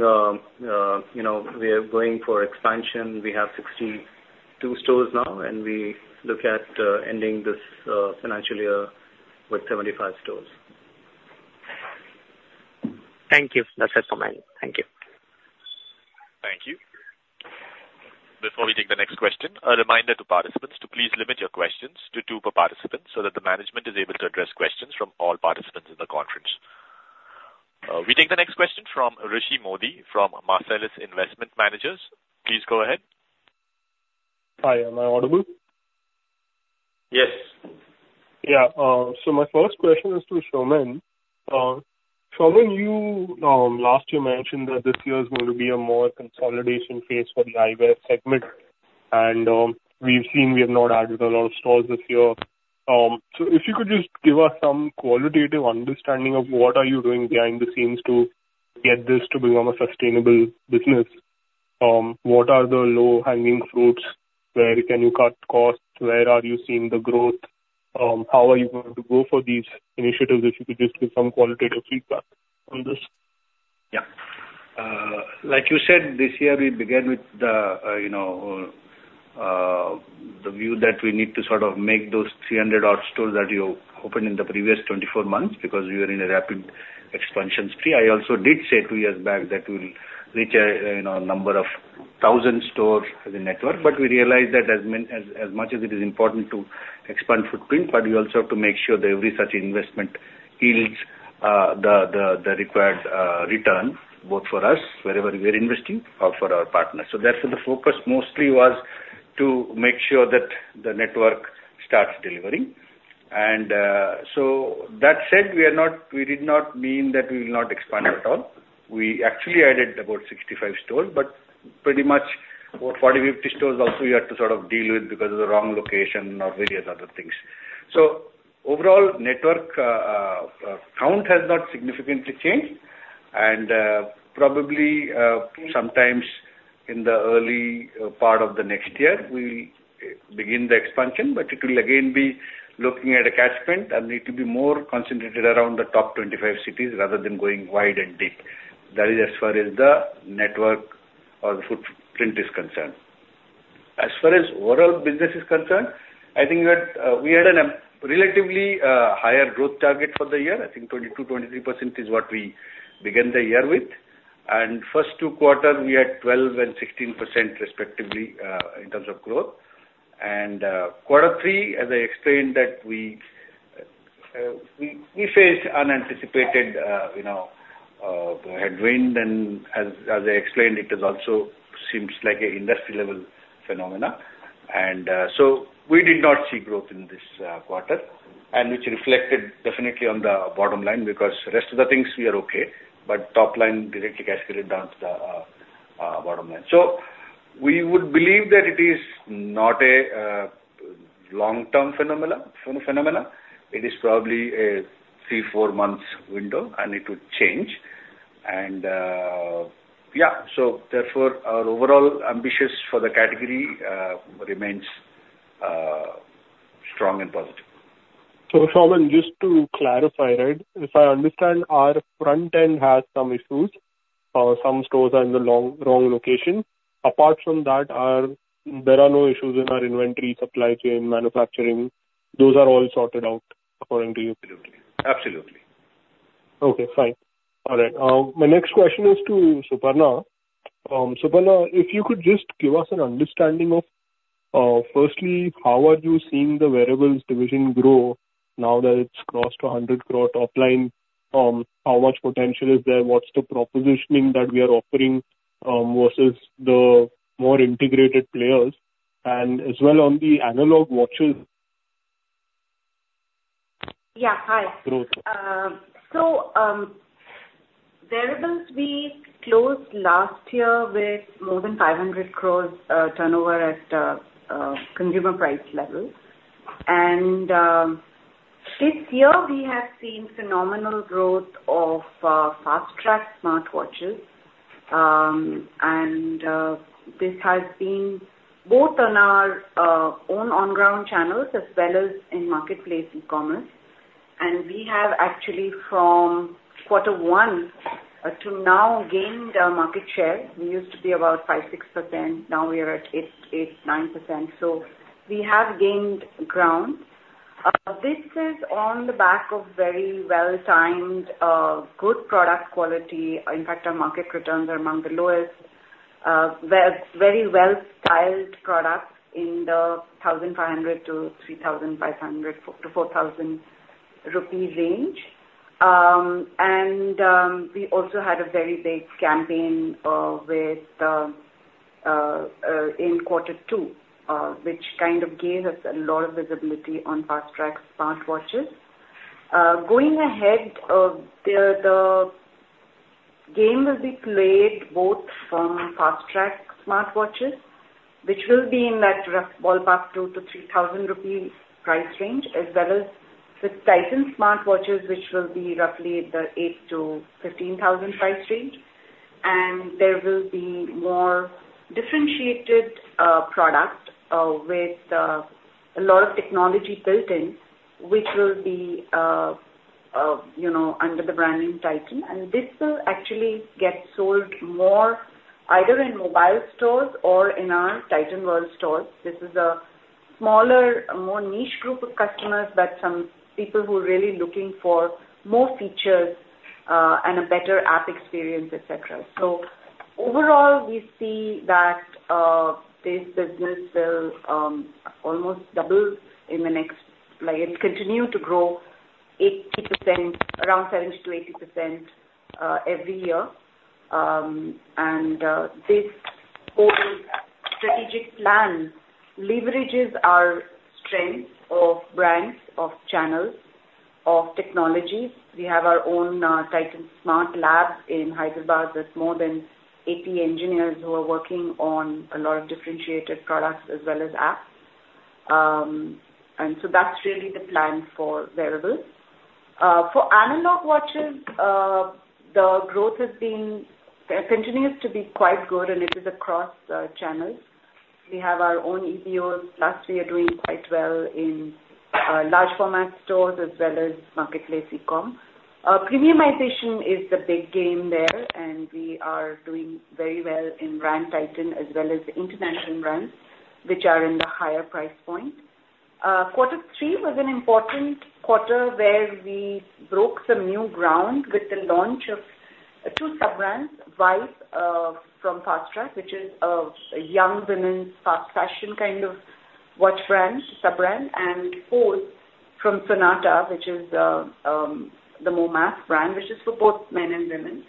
you know, we are going for expansion. We have 62 stores now, and we look at ending this financial year with 75 stores. Thank you. That's it for me. Thank you. Thank you. Before we take the next question, a reminder to participants to please limit your questions to two per participant, so that the management is able to address questions from all participants in the conference. We take the next question from Rishi Mody, from Marcellus Investment Managers. Please go ahead. Hi. Am I audible? Yes. Yeah, so my first question is to Saumen. Saumen, you, last year mentioned that this year is going to be a more consolidation phase for the eyewear segment, and, we've seen we have not added a lot of stores this year. So if you could just give us some qualitative understanding of what are you doing behind the scenes to get this to become a sustainable business? What are the low-hanging fruits? Where can you cut costs? Where are you seeing the growth? How are you going to go for these initiatives? If you could just give some qualitative feedback on this. Yeah. Like you said, this year, we began with the, you know, the view that we need to sort of make those 300 odd stores that you opened in the previous 24 months, because we were in a rapid expansion spree. I also did say two years back that we'll reach a, you know, a number of 1,000 stores as a network, but we realized that as much as it is important to expand footprint, but we also have to make sure that every such investment yields the required return, both for us, wherever we're investing, or for our partners. So therefore, the focus mostly was to make sure that the network starts delivering. And so that said, we are not—we did not mean that we will not expand at all. We actually added about 65 stores, but pretty much about 40, 50 stores also we had to sort of deal with because of the wrong location or various other things. So overall, network count has not significantly changed. And, probably, sometimes in the early part of the next year, we'll begin the expansion, but it will again be looking at a catchment and need to be more concentrated around the top 25 cities, rather than going wide and deep. That is as far as the network or the footprint is concerned. As far as overall business is concerned, I think that we had a relatively higher growth target for the year. I think 22%-23% is what we began the year with. And first two quarters, we had 12% and 16% respectively in terms of growth. Quarter three, as I explained, that we faced unanticipated, you know, headwind. As I explained, it also seems like an industry level phenomena. So we did not see growth in this quarter, and which reflected definitely on the bottom line, because rest of the things we are okay, but top line directly cascaded down to the bottom line. So we would believe that it is not a long-term phenomena. It is probably a 3-4 months window, and it would change. Therefore, our overall ambitions for the category remains strong and positive. So, Saumen, just to clarify, right, if I understand, our front end has some issues, or some stores are in the wrong location. Apart from that, are there no issues in our inventory, supply chain, manufacturing, those are all sorted out according to you? Absolutely. Absolutely. Okay, fine. All right. My next question is to Suparna. Suparna, if you could just give us an understanding of, firstly, how are you seeing the wearables division grow now that it's crossed 100 crore top line? How much potential is there? What's the propositioning that we are offering, versus the more integrated players? And as well on the analog watches. Yeah, hi. Sure. So, wearables, we closed last year with more than 500 crore turnover at consumer price level. And this year we have seen phenomenal growth of Fastrack Smartwatches. And this has been both on our own on-ground channels as well as in marketplace e-commerce. And we have actually, from quarter one to now, gained a market share. We used to be about 5-6%, now we are at 8-9%. So we have gained ground. This is on the back of very well-timed, good product quality. In fact, our market returns are among the lowest very well styled products in the 1,500 to 3,500 to 4,000 rupee range. We also had a very big campaign within quarter two, which kind of gave us a lot of visibility on Fastrack Smartwatches. Going ahead, the game will be played both from Fastrack Smartwatches, which will be in that rough ballpark, 2,000-3,000 rupee price range, as well as with Titan Smartwatches, which will be roughly the 8,000-15,000 price range. There will be more differentiated product with a lot of technology built in, which will be, you know, under the brand name Titan. This will actually get sold more, either in mobile stores or in our Titan World stores. This is a smaller, more niche group of customers, that some people who are really looking for more features and a better app experience, et cetera. So overall, we see that, this business will, almost double in the next—like it continue to grow 80%, around 70%-80%, every year. And, this overall strategic plan leverages our strength of brands, of channels, of technologies. We have our own, Titan Smart Lab in Hyderabad. There's more than 80 engineers who are working on a lot of differentiated products as well as apps. And so that's really the plan for wearables. For analog watches, the growth has been... continues to be quite good, and it is across, channels. We have our own EBOs. Last year doing quite well in, large format stores as well as marketplace e-com. Premiumization is the big game there, and we are doing very well in brand Titan as well as international brands, which are in the higher price point. Quarter three was an important quarter, where we broke some new ground with the launch of two sub-brands, Vibe from Fastrack, which is a young women's fast fashion kind of watch brand, sub-brand, and Poze from Sonata, which is the mass brand, which is for both men and women.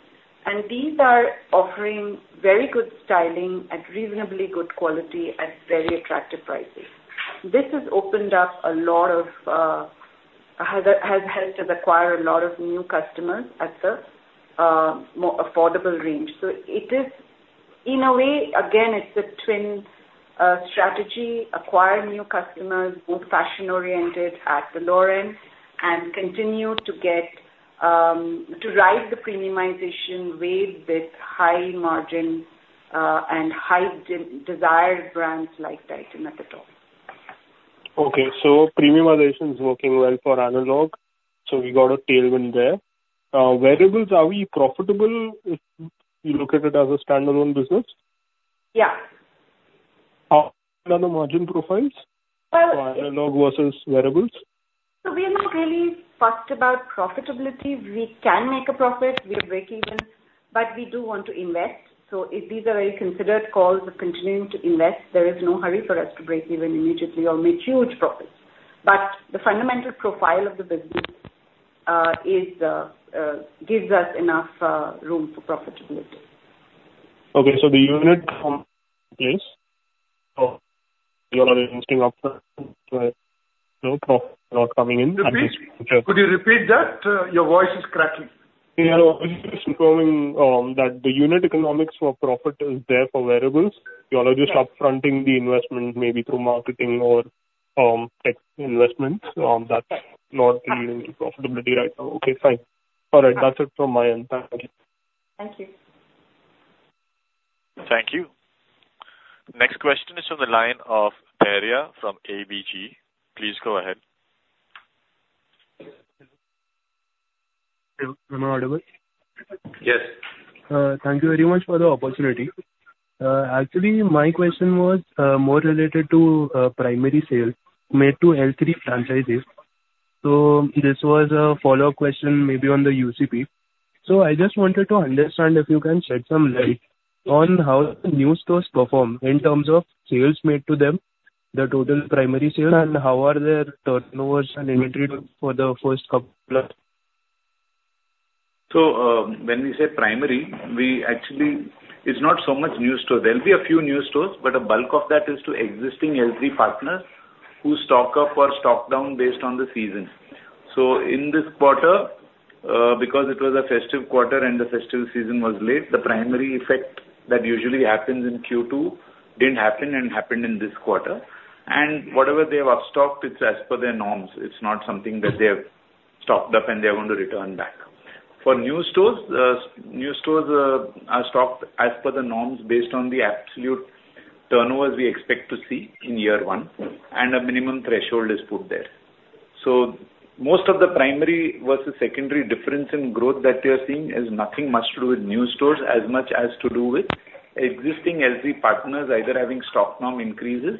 And these are offering very good styling at reasonably good quality at very attractive prices. This has opened up a lot of, helped us acquire a lot of new customers at the more affordable range. So it is, in a way, again, it's a twin strategy, acquire new customers, both fashion-oriented at the lower end, and continue to get to ride the premiumization wave with high margin and highly desired brands like Titan at the top. Okay, so premiumization is working well for analog, so we got a tailwind there. Wearables, are we profitable if you look at it as a standalone business? Yeah.... How are the margin profiles for analog versus wearables? So we are not really fussed about profitability. We can make a profit, we are break even, but we do want to invest. So if these are very considered calls of continuing to invest, there is no hurry for us to break even immediately or make huge profits. But the fundamental profile of the business is gives us enough room for profitability. Okay, so the unit is, so you all are using up the not, not coming in. Repeat. Could you repeat that? Your voice is crackling. Yeah, just confirming, that the unit economics for profit is there for wearables. You all are just up-fronting the investment, maybe through marketing or, tech investments, that's not bringing profitability right now. Okay, fine. All right, that's it from my end. Thank you. Thank you. Thank you. Next question is from the line of Daria from ABG. Please go ahead. Am I audible? Yes. Thank you very much for the opportunity. Actually, my question was more related to primary sales made to L3 franchises. So this was a follow-up question, maybe on the UCP. So I just wanted to understand if you can shed some light on how the new stores perform in terms of sales made to them, the total primary sales, and how are their turnovers and inventory for the first couple of months? So, when we say primary, we actually... It's not so much new store. There'll be a few new stores, but a bulk of that is to existing L3 partners, who stock up or stock down based on the season. So in this quarter, because it was a festive quarter and the festive season was late, the primary effect that usually happens in Q2 didn't happen and happened in this quarter. And whatever they have up stocked, it's as per their norms. It's not something that they have stocked up and they are going to return back. For new stores, new stores, are stocked as per the norms based on the absolute turnovers we expect to see in year one, and a minimum threshold is put there. So most of the primary versus secondary difference in growth that you're seeing is nothing much to do with new stores, as much as to do with existing L3 partners either having stock norm increases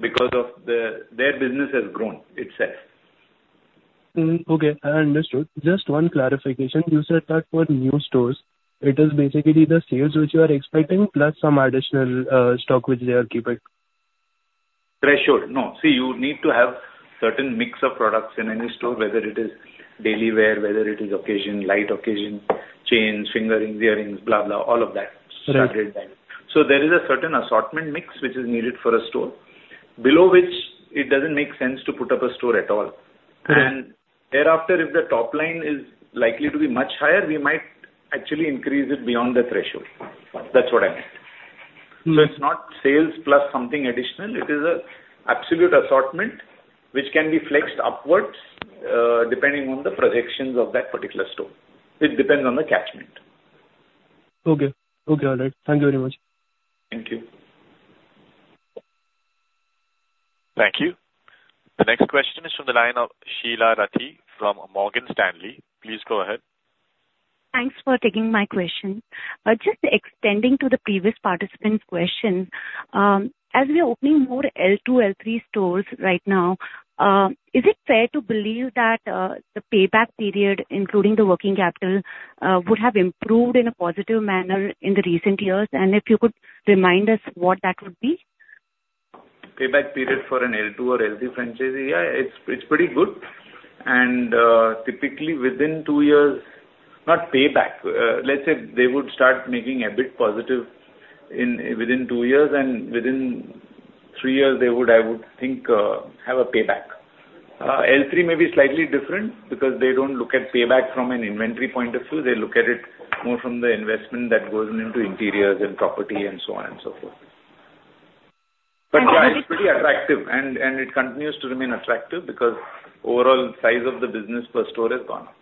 because of the, their business has grown itself. Okay, I understood. Just one clarification. You said that for new stores, it is basically the sales which you are expecting, plus some additional stock which they are keeping? Threshold. No. See, you need to have certain mix of products in any store, whether it is daily wear, whether it is occasion, light occasion, chains, finger rings, earrings, blah, blah, all of that. Okay. There is a certain assortment mix which is needed for a store, below which it doesn't make sense to put up a store at all. Uh. Thereafter, if the top line is likely to be much higher, we might actually increase it beyond the threshold. That's what I meant. Mm. So it's not sales plus something additional, it is an absolute assortment, which can be flexed upwards, depending on the projections of that particular store. It depends on the catchment. Okay. Okay, all right. Thank you very much. Thank you. Thank you. The next question is from the line of Sheela Rathi from Morgan Stanley. Please go ahead. Thanks for taking my question. Just extending to the previous participant's question, as we are opening more L2, L3 stores right now, is it fair to believe that the payback period, including the working capital, would have improved in a positive manner in the recent years? And if you could remind us what that would be. Payback period for an L2 or L3 franchisee? Yeah, it's, it's pretty good. Typically within two years, not payback, let's say, they would start making EBIT positive within two years, and within three years, they would, I would think, have a payback. L3 may be slightly different because they don't look at payback from an inventory point of view. They look at it more from the investment that goes into interiors and property and so on and so forth. And- But yeah, it's pretty attractive, and it continues to remain attractive because overall size of the business per store has gone up.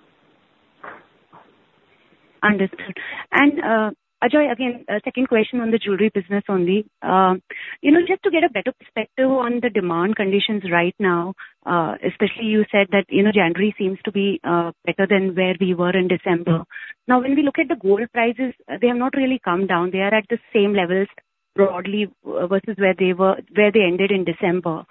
Understood. Ajoy, again, a second question on the jewelry business only. You know, just to get a better perspective on the demand conditions right now, especially you said that, you know, January seems to be better than where we were in December. Now, when we look at the gold prices, they have not really come down. They are at the same levels broadly versus where they were, where they ended in December.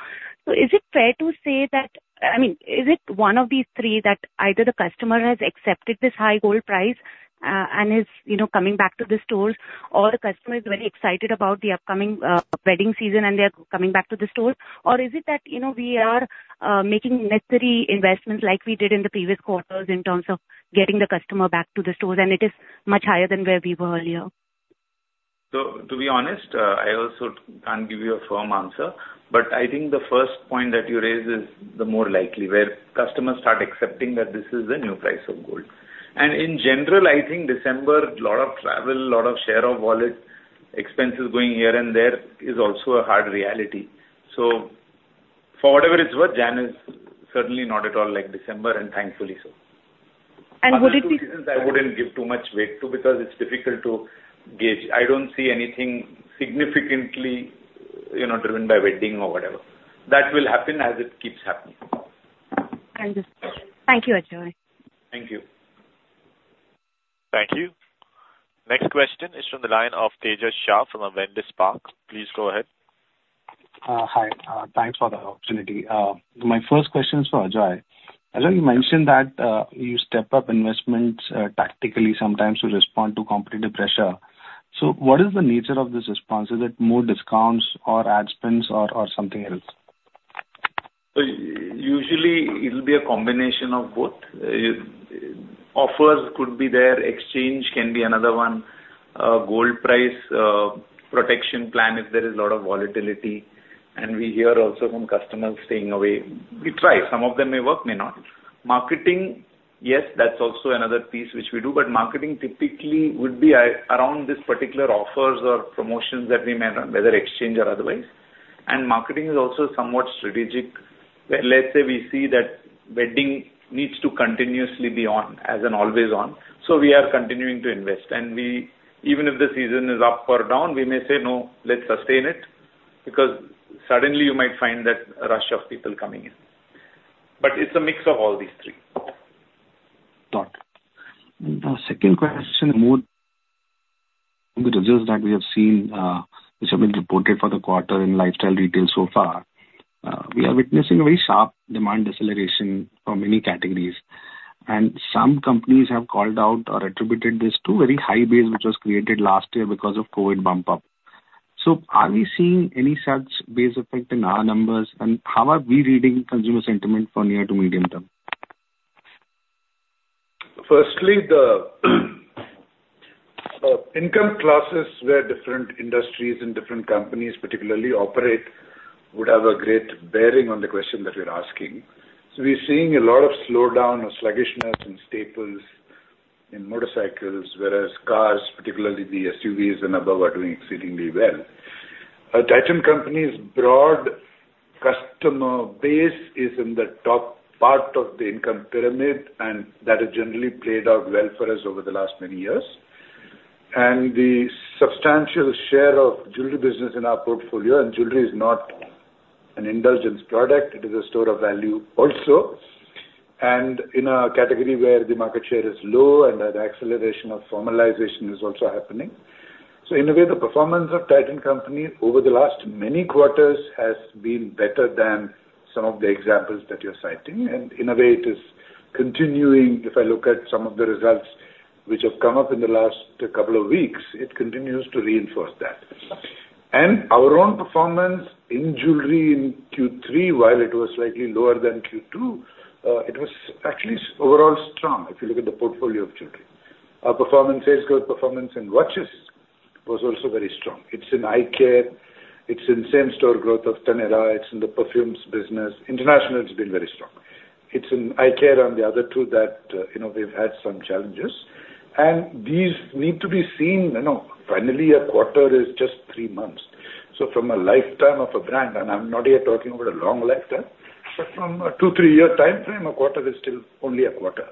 So is it fair to say that... I mean, is it one of these three, that either the customer has accepted this high gold price and is, you know, coming back to the stores, or the customer is very excited about the upcoming wedding season, and they are coming back to the stores? Or is it that, you know, we are making necessary investments like we did in the previous quarters in terms of getting the customer back to the stores, and it is much higher than where we were earlier? To be honest, I also can't give you a firm answer, but I think the first point that you raised is the more likely, where customers start accepting that this is the new price of gold. In general, I think December, a lot of travel, a lot of share of wallet, expenses going here and there is also a hard reality. For whatever it's worth, January is certainly not at all like December, and thankfully so. Would it be- I wouldn't give too much weight to because it's difficult to gauge. I don't see anything significantly, you know, driven by wedding or whatever. That will happen as it keeps happening. Understood. Thank you, Ajoy. Thank you. ... Thank you. Next question is from the line of Tejas Shah from Avendus Spark. Please go ahead. Hi. Thanks for the opportunity. My first question is for Ajoy. Ajoy, you mentioned that you step up investments tactically sometimes to respond to competitive pressure. So what is the nature of this response? Is it more discounts or ad spends or something else? So usually, it'll be a combination of both. Offers could be there, exchange can be another one, gold price, protection plan, if there is a lot of volatility, and we hear also from customers staying away. We try, some of them may work, may not. Marketing, yes, that's also another piece which we do, but marketing typically would be around this particular offers or promotions that we may run, whether exchange or otherwise. And marketing is also somewhat strategic, where, let's say we see that wedding needs to continuously be on as an always on, so we are continuing to invest. And we even if the season is up or down, we may say, "No, let's sustain it," because suddenly you might find that rush of people coming in. But it's a mix of all these three. Got it. And the second question, more the results that we have seen, which have been reported for the quarter in lifestyle retail so far. We are witnessing a very sharp demand deceleration for many categories, and some companies have called out or attributed this to very high base, which was created last year because of COVID bump up. So are we seeing any such base effect in our numbers? And how are we reading consumer sentiment for near to medium term? Firstly, the income classes where different industries and different companies particularly operate would have a great bearing on the question that you're asking. So we're seeing a lot of slowdown or sluggishness in staples, in motorcycles, whereas cars, particularly the SUVs and above, are doing exceedingly well. A Titan Company's broad customer base is in the top part of the income pyramid, and that has generally played out well for us over the last many years. The substantial share of jewelry business in our portfolio, and jewelry is not an indulgence product, it is a store of value also. In a category where the market share is low and the acceleration of formalization is also happening. So in a way, the performance of Titan Company over the last many quarters has been better than some of the examples that you're citing. And in a way, it is continuing. If I look at some of the results which have come up in the last couple of weeks, it continues to reinforce that. And our own performance in jewelry in Q3, while it was slightly lower than Q2, it was actually overall strong, if you look at the portfolio of jewelry. Our performance, sales growth, performance in watches was also very strong. It's in EyeCare, it's in same-store growth of Taneira, it's in the perfumes business. International, it's been very strong. It's in EyeCare and the other two that, you know, we've had some challenges. And these need to be seen, you know, finally, a quarter is just three months. So from a lifetime of a brand, and I'm not here talking about a long lifetime, but from a two, three-year timeframe, a quarter is still only a quarter.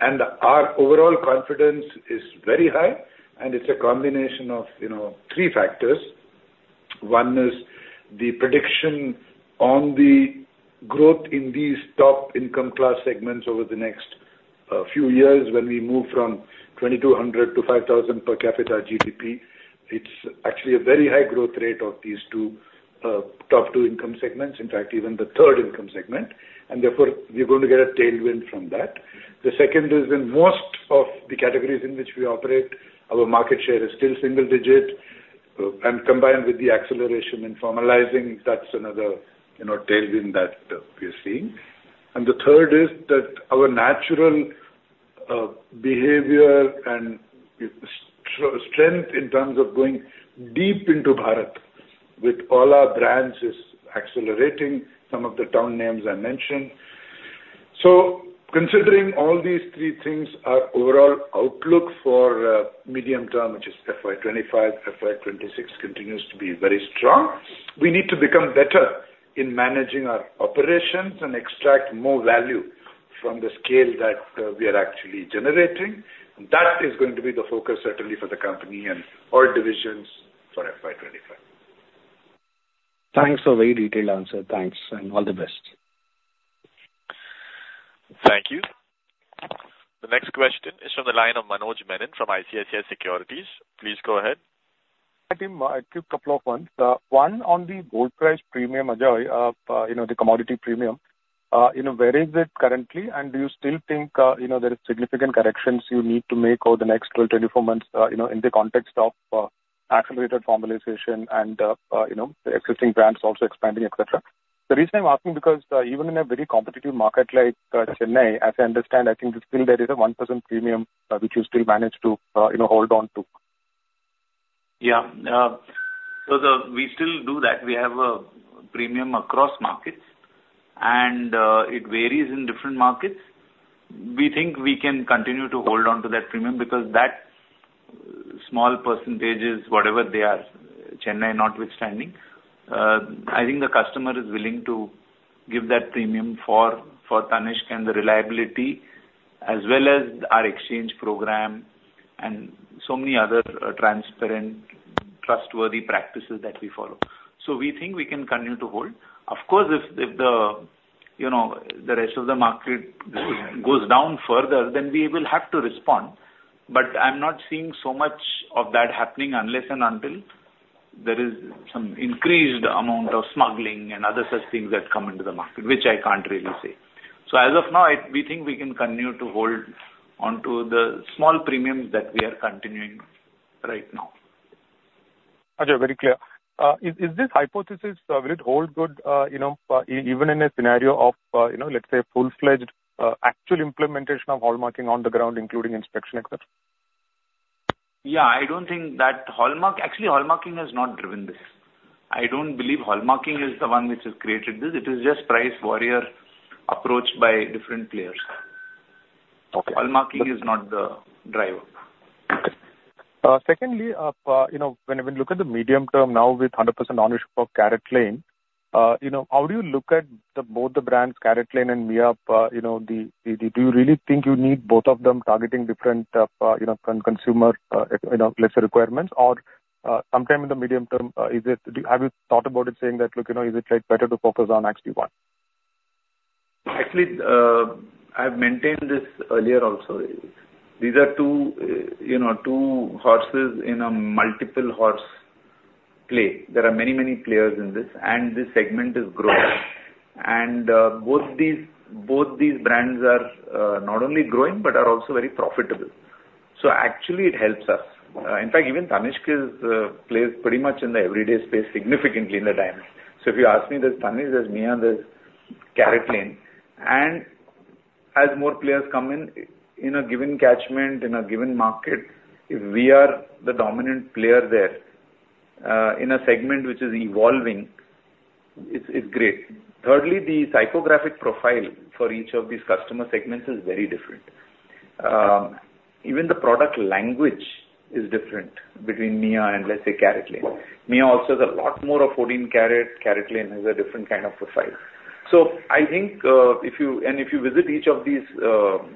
Our overall confidence is very high, and it's a combination of, you know, three factors. One is the prediction on the growth in these top income class segments over the next few years, when we move from 2,200 to 5,000 per capita GDP. It's actually a very high growth rate of these two top two income segments, in fact, even the third income segment, and therefore, we're going to get a tailwind from that. The second is, in most of the categories in which we operate, our market share is still single digit, and combined with the acceleration in formalizing, that's another, you know, tailwind that we are seeing. The third is that our natural behavior and strength in terms of going deep into Bharat with all our brands is accelerating, some of the town names I mentioned. So considering all these three things, our overall outlook for medium term, which is FY 2025, FY 2026, continues to be very strong. We need to become better in managing our operations and extract more value from the scale that we are actually generating. That is going to be the focus, certainly for the company and all divisions for FY 2025. Thanks for a very detailed answer. Thanks, and all the best. Thank you. The next question is from the line of Manoj Menon from ICICI Securities. Please go ahead. Hi, team. A quick couple of ones. One, on the gold price premium, Ajoy, you know, the commodity premium, you know, where is it currently? And do you still think, you know, there is significant corrections you need to make over the next 12, 24 months, you know, in the context of accelerated formalization and, you know, the existing brands also expanding, et cetera? The reason I'm asking because, even in a very competitive market like Chennai, as I understand, I think still there is a 1% premium, which you still manage to, you know, hold on to. Yeah. So we still do that. We have a premium across markets, and it varies in different markets. We think we can continue to hold on to that premium because that small percentages, whatever they are, Chennai notwithstanding, I think the customer is willing to give that premium for Tanishq and the reliability, as well as our exchange program and so many other transparent- ...trustworthy practices that we follow. So we think we can continue to hold. Of course, if the, you know, the rest of the market goes down further, then we will have to respond. But I'm not seeing so much of that happening unless, and until there is some increased amount of smuggling and other such things that come into the market, which I can't really say. So as of now, we think we can continue to hold onto the small premiums that we are continuing right now. Okay, very clear. Is this hypothesis will it hold good, you know, even in a scenario of, you know, let's say, full-fledged actual implementation of hallmarking on the ground, including inspection, et cetera? Yeah, I don't think that hallmarking. Actually, hallmarking has not driven this. I don't believe hallmarking is the one which has created this. It is just price warrior approached by different players. Okay. hallmarking is not the driver. Secondly, you know, when we look at the medium term now with 100% ownership of CaratLane, you know, how do you look at both the brands, CaratLane and Mia? You know, the, the... Do you really think you need both of them targeting different, you know, consumer, you know, let's say, requirements? Or, sometime in the medium term, is it, have you thought about it, saying that, "Look, you know, is it, like, better to focus on actually one? Actually, I've maintained this earlier also. These are two, you know, two horses in a multiple horse play. There are many, many players in this, and this segment is growing. Both these, both these brands are not only growing, but are also very profitable. So actually, it helps us. In fact, even Tanishq plays pretty much in the everyday space, significantly in the diamonds. So if you ask me, there's Tanishq, there's Mia, and there's CaratLane. And as more players come in, in a given catchment, in a given market, if we are the dominant player there, in a segment which is evolving, it's, it's great. Thirdly, the psychographic profile for each of these customer segments is very different. Even the product language is different between Mia and, let's say, CaratLane. Mia also has a lot more of 14-karat. CaratLane has a different kind of profile. So I think, if you... And if you visit each of these,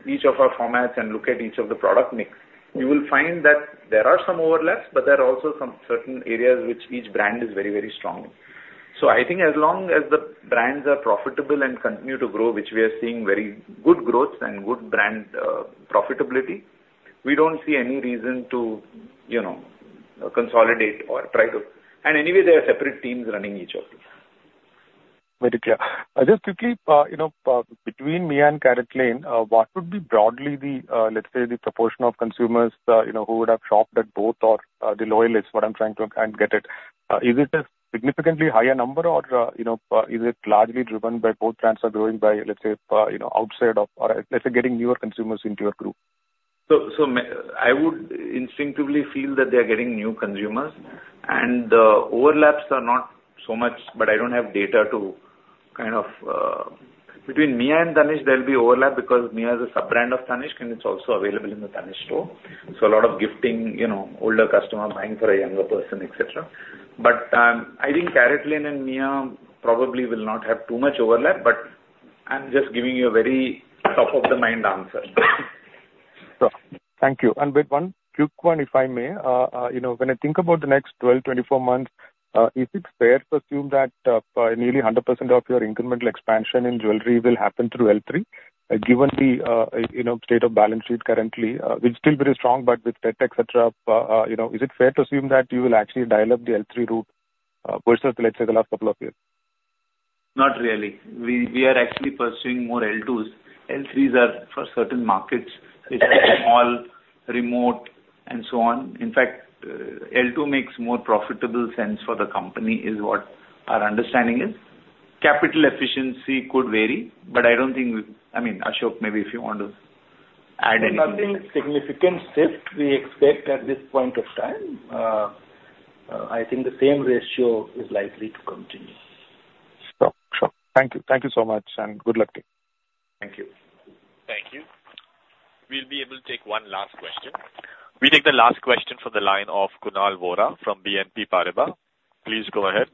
each of our formats and look at each of the product mix, you will find that there are some overlaps, but there are also some certain areas which each brand is very, very strong in. So I think as long as the brands are profitable and continue to grow, which we are seeing very good growth and good brand profitability, we don't see any reason to, you know, consolidate or try to... And anyway, there are separate teams running each of them. Very clear. Just quickly, you know, between Mia and CaratLane, what would be broadly the, let's say, the proportion of consumers, you know, who would have shopped at both or, the loyalists, what I'm trying to kind of get at. Is it a significantly higher number or, you know, is it largely driven by both brands are growing by, let's say, you know, outside of or, let's say, getting newer consumers into your group? I would instinctively feel that they are getting new consumers. The overlaps are not so much, but I don't have data to kind of... Between Mia and Tanishq, there'll be overlap because Mia is a sub-brand of Tanishq, and it's also available in the Tanishq store. So a lot of gifting, you know, older customers buying for a younger person, et cetera. I think CaratLane and Mia probably will not have too much overlap, but I'm just giving you a very top of the mind answer. Thank you. And with one quick one, if I may. You know, when I think about the next 12, 24 months, is it fair to assume that nearly 100% of your incremental expansion in jewelry will happen through L3? Given the, you know, state of balance sheet currently, it's still very strong, but with debt, et cetera, you know, is it fair to assume that you will actually dial up the L3 route, versus, let's say, the last couple of years? Not really. We, we are actually pursuing more L2s. L3s are for certain markets. It's small, remote, and so on. In fact, L2 makes more profitable sense for the company, is what our understanding is. Capital efficiency could vary, but I don't think... I mean, Ashok, maybe if you want to add anything. There's nothing significant shift we expect at this point of time. I think the same ratio is likely to continue. Sure. Sure. Thank you. Thank you so much, and good luck to you. Thank you. Thank you. We'll be able to take one last question. We take the last question from the line of Kunal Vora from BNP Paribas. Please go ahead.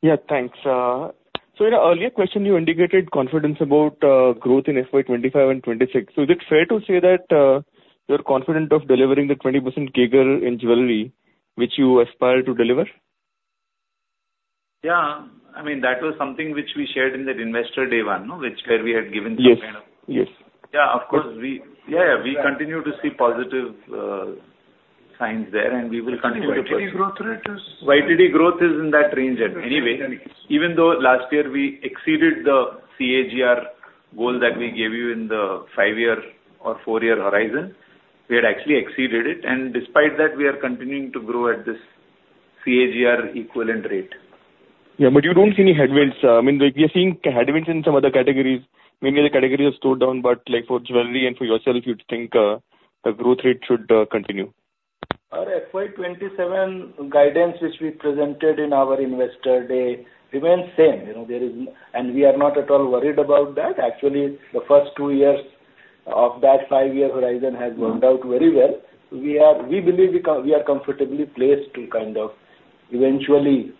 Yeah, thanks. So in an earlier question, you indicated confidence about growth in FY 25 and 26. So is it fair to say that you're confident of delivering the 20% CAGR in jewelry which you aspire to deliver? Yeah. I mean, that was something which we shared in that Investor Day one, no, which, where we had given some kind of- Yes. Yes. Yeah, of course, we... Yeah, yeah, we continue to see positive signs there, and we will continue to... YTD growth rate is- YTD growth is in that range anyway. Even though last year we exceeded the CAGR goal that we gave you in the five-year or four-year horizon, we had actually exceeded it, and despite that, we are continuing to grow at this CAGR equivalent rate. Yeah, but you don't see any headwinds? I mean, like, we are seeing headwinds in some other categories. Maybe other categories have slowed down, but, like, for jewelry and for watches, you'd think the growth rate should continue. Our FY 2027 guidance, which we presented in our Investor Day, remains same. You know, there is. And we are not at all worried about that. Actually, the first two years of that five-year horizon has turned out very well. We are. We believe we are comfortably placed to kind of eventually-...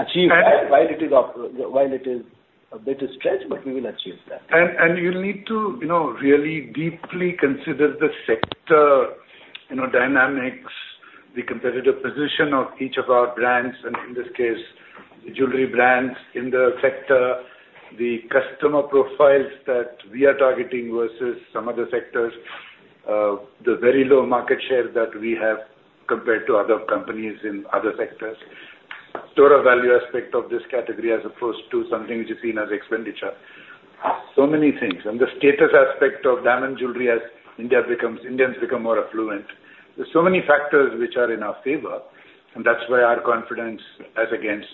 achieve that while it is up, while it is a bit of stretch, but we will achieve that. You need to, you know, really deeply consider the sector, you know, dynamics, the competitive position of each of our brands, and in this case, the jewelry brands in the sector, the customer profiles that we are targeting versus some other sectors, the very low market share that we have compared to other companies in other sectors. Store of value aspect of this category, as opposed to something which is seen as expenditure. So many things, and the status aspect of diamond jewelry as India becomes-- Indians become more affluent. There's so many factors which are in our favor, and that's why our confidence as against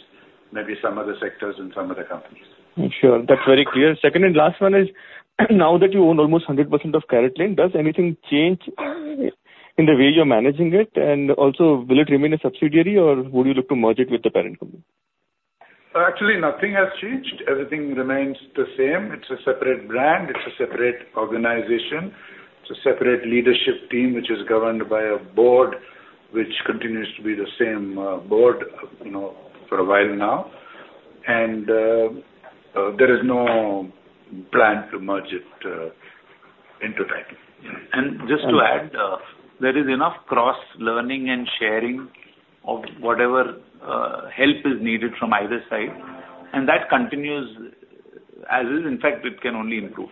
maybe some other sectors and some other companies. Sure, that's very clear. Second and last one is now that you own almost 100% of CaratLane, does anything change in the way you're managing it? And also will it remain a subsidiary, or would you look to merge it with the parent company? Actually, nothing has changed. Everything remains the same. It's a separate brand. It's a separate organization. It's a separate leadership team, which is governed by a board, which continues to be the same board, you know, for a while now. And there is no plan to merge it into Titan. Just to add, there is enough cross-learning and sharing of whatever, help is needed from either side, and that continues as is. In fact, it can only improve.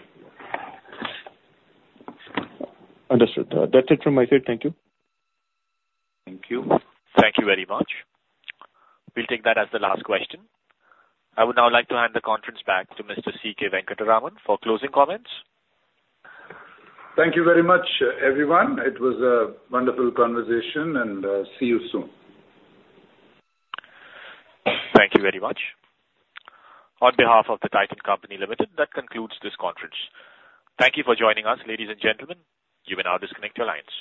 Understood. That's it from my side. Thank you. Thank you. Thank you very much. We'll take that as the last question. I would now like to hand the conference back to Mr. C.K. Venkataraman for closing comments. Thank you very much, everyone. It was a wonderful conversation, and see you soon. Thank you very much. On behalf of the Titan Company Limited, that concludes this conference. Thank you for joining us, ladies and gentlemen. You may now disconnect your lines.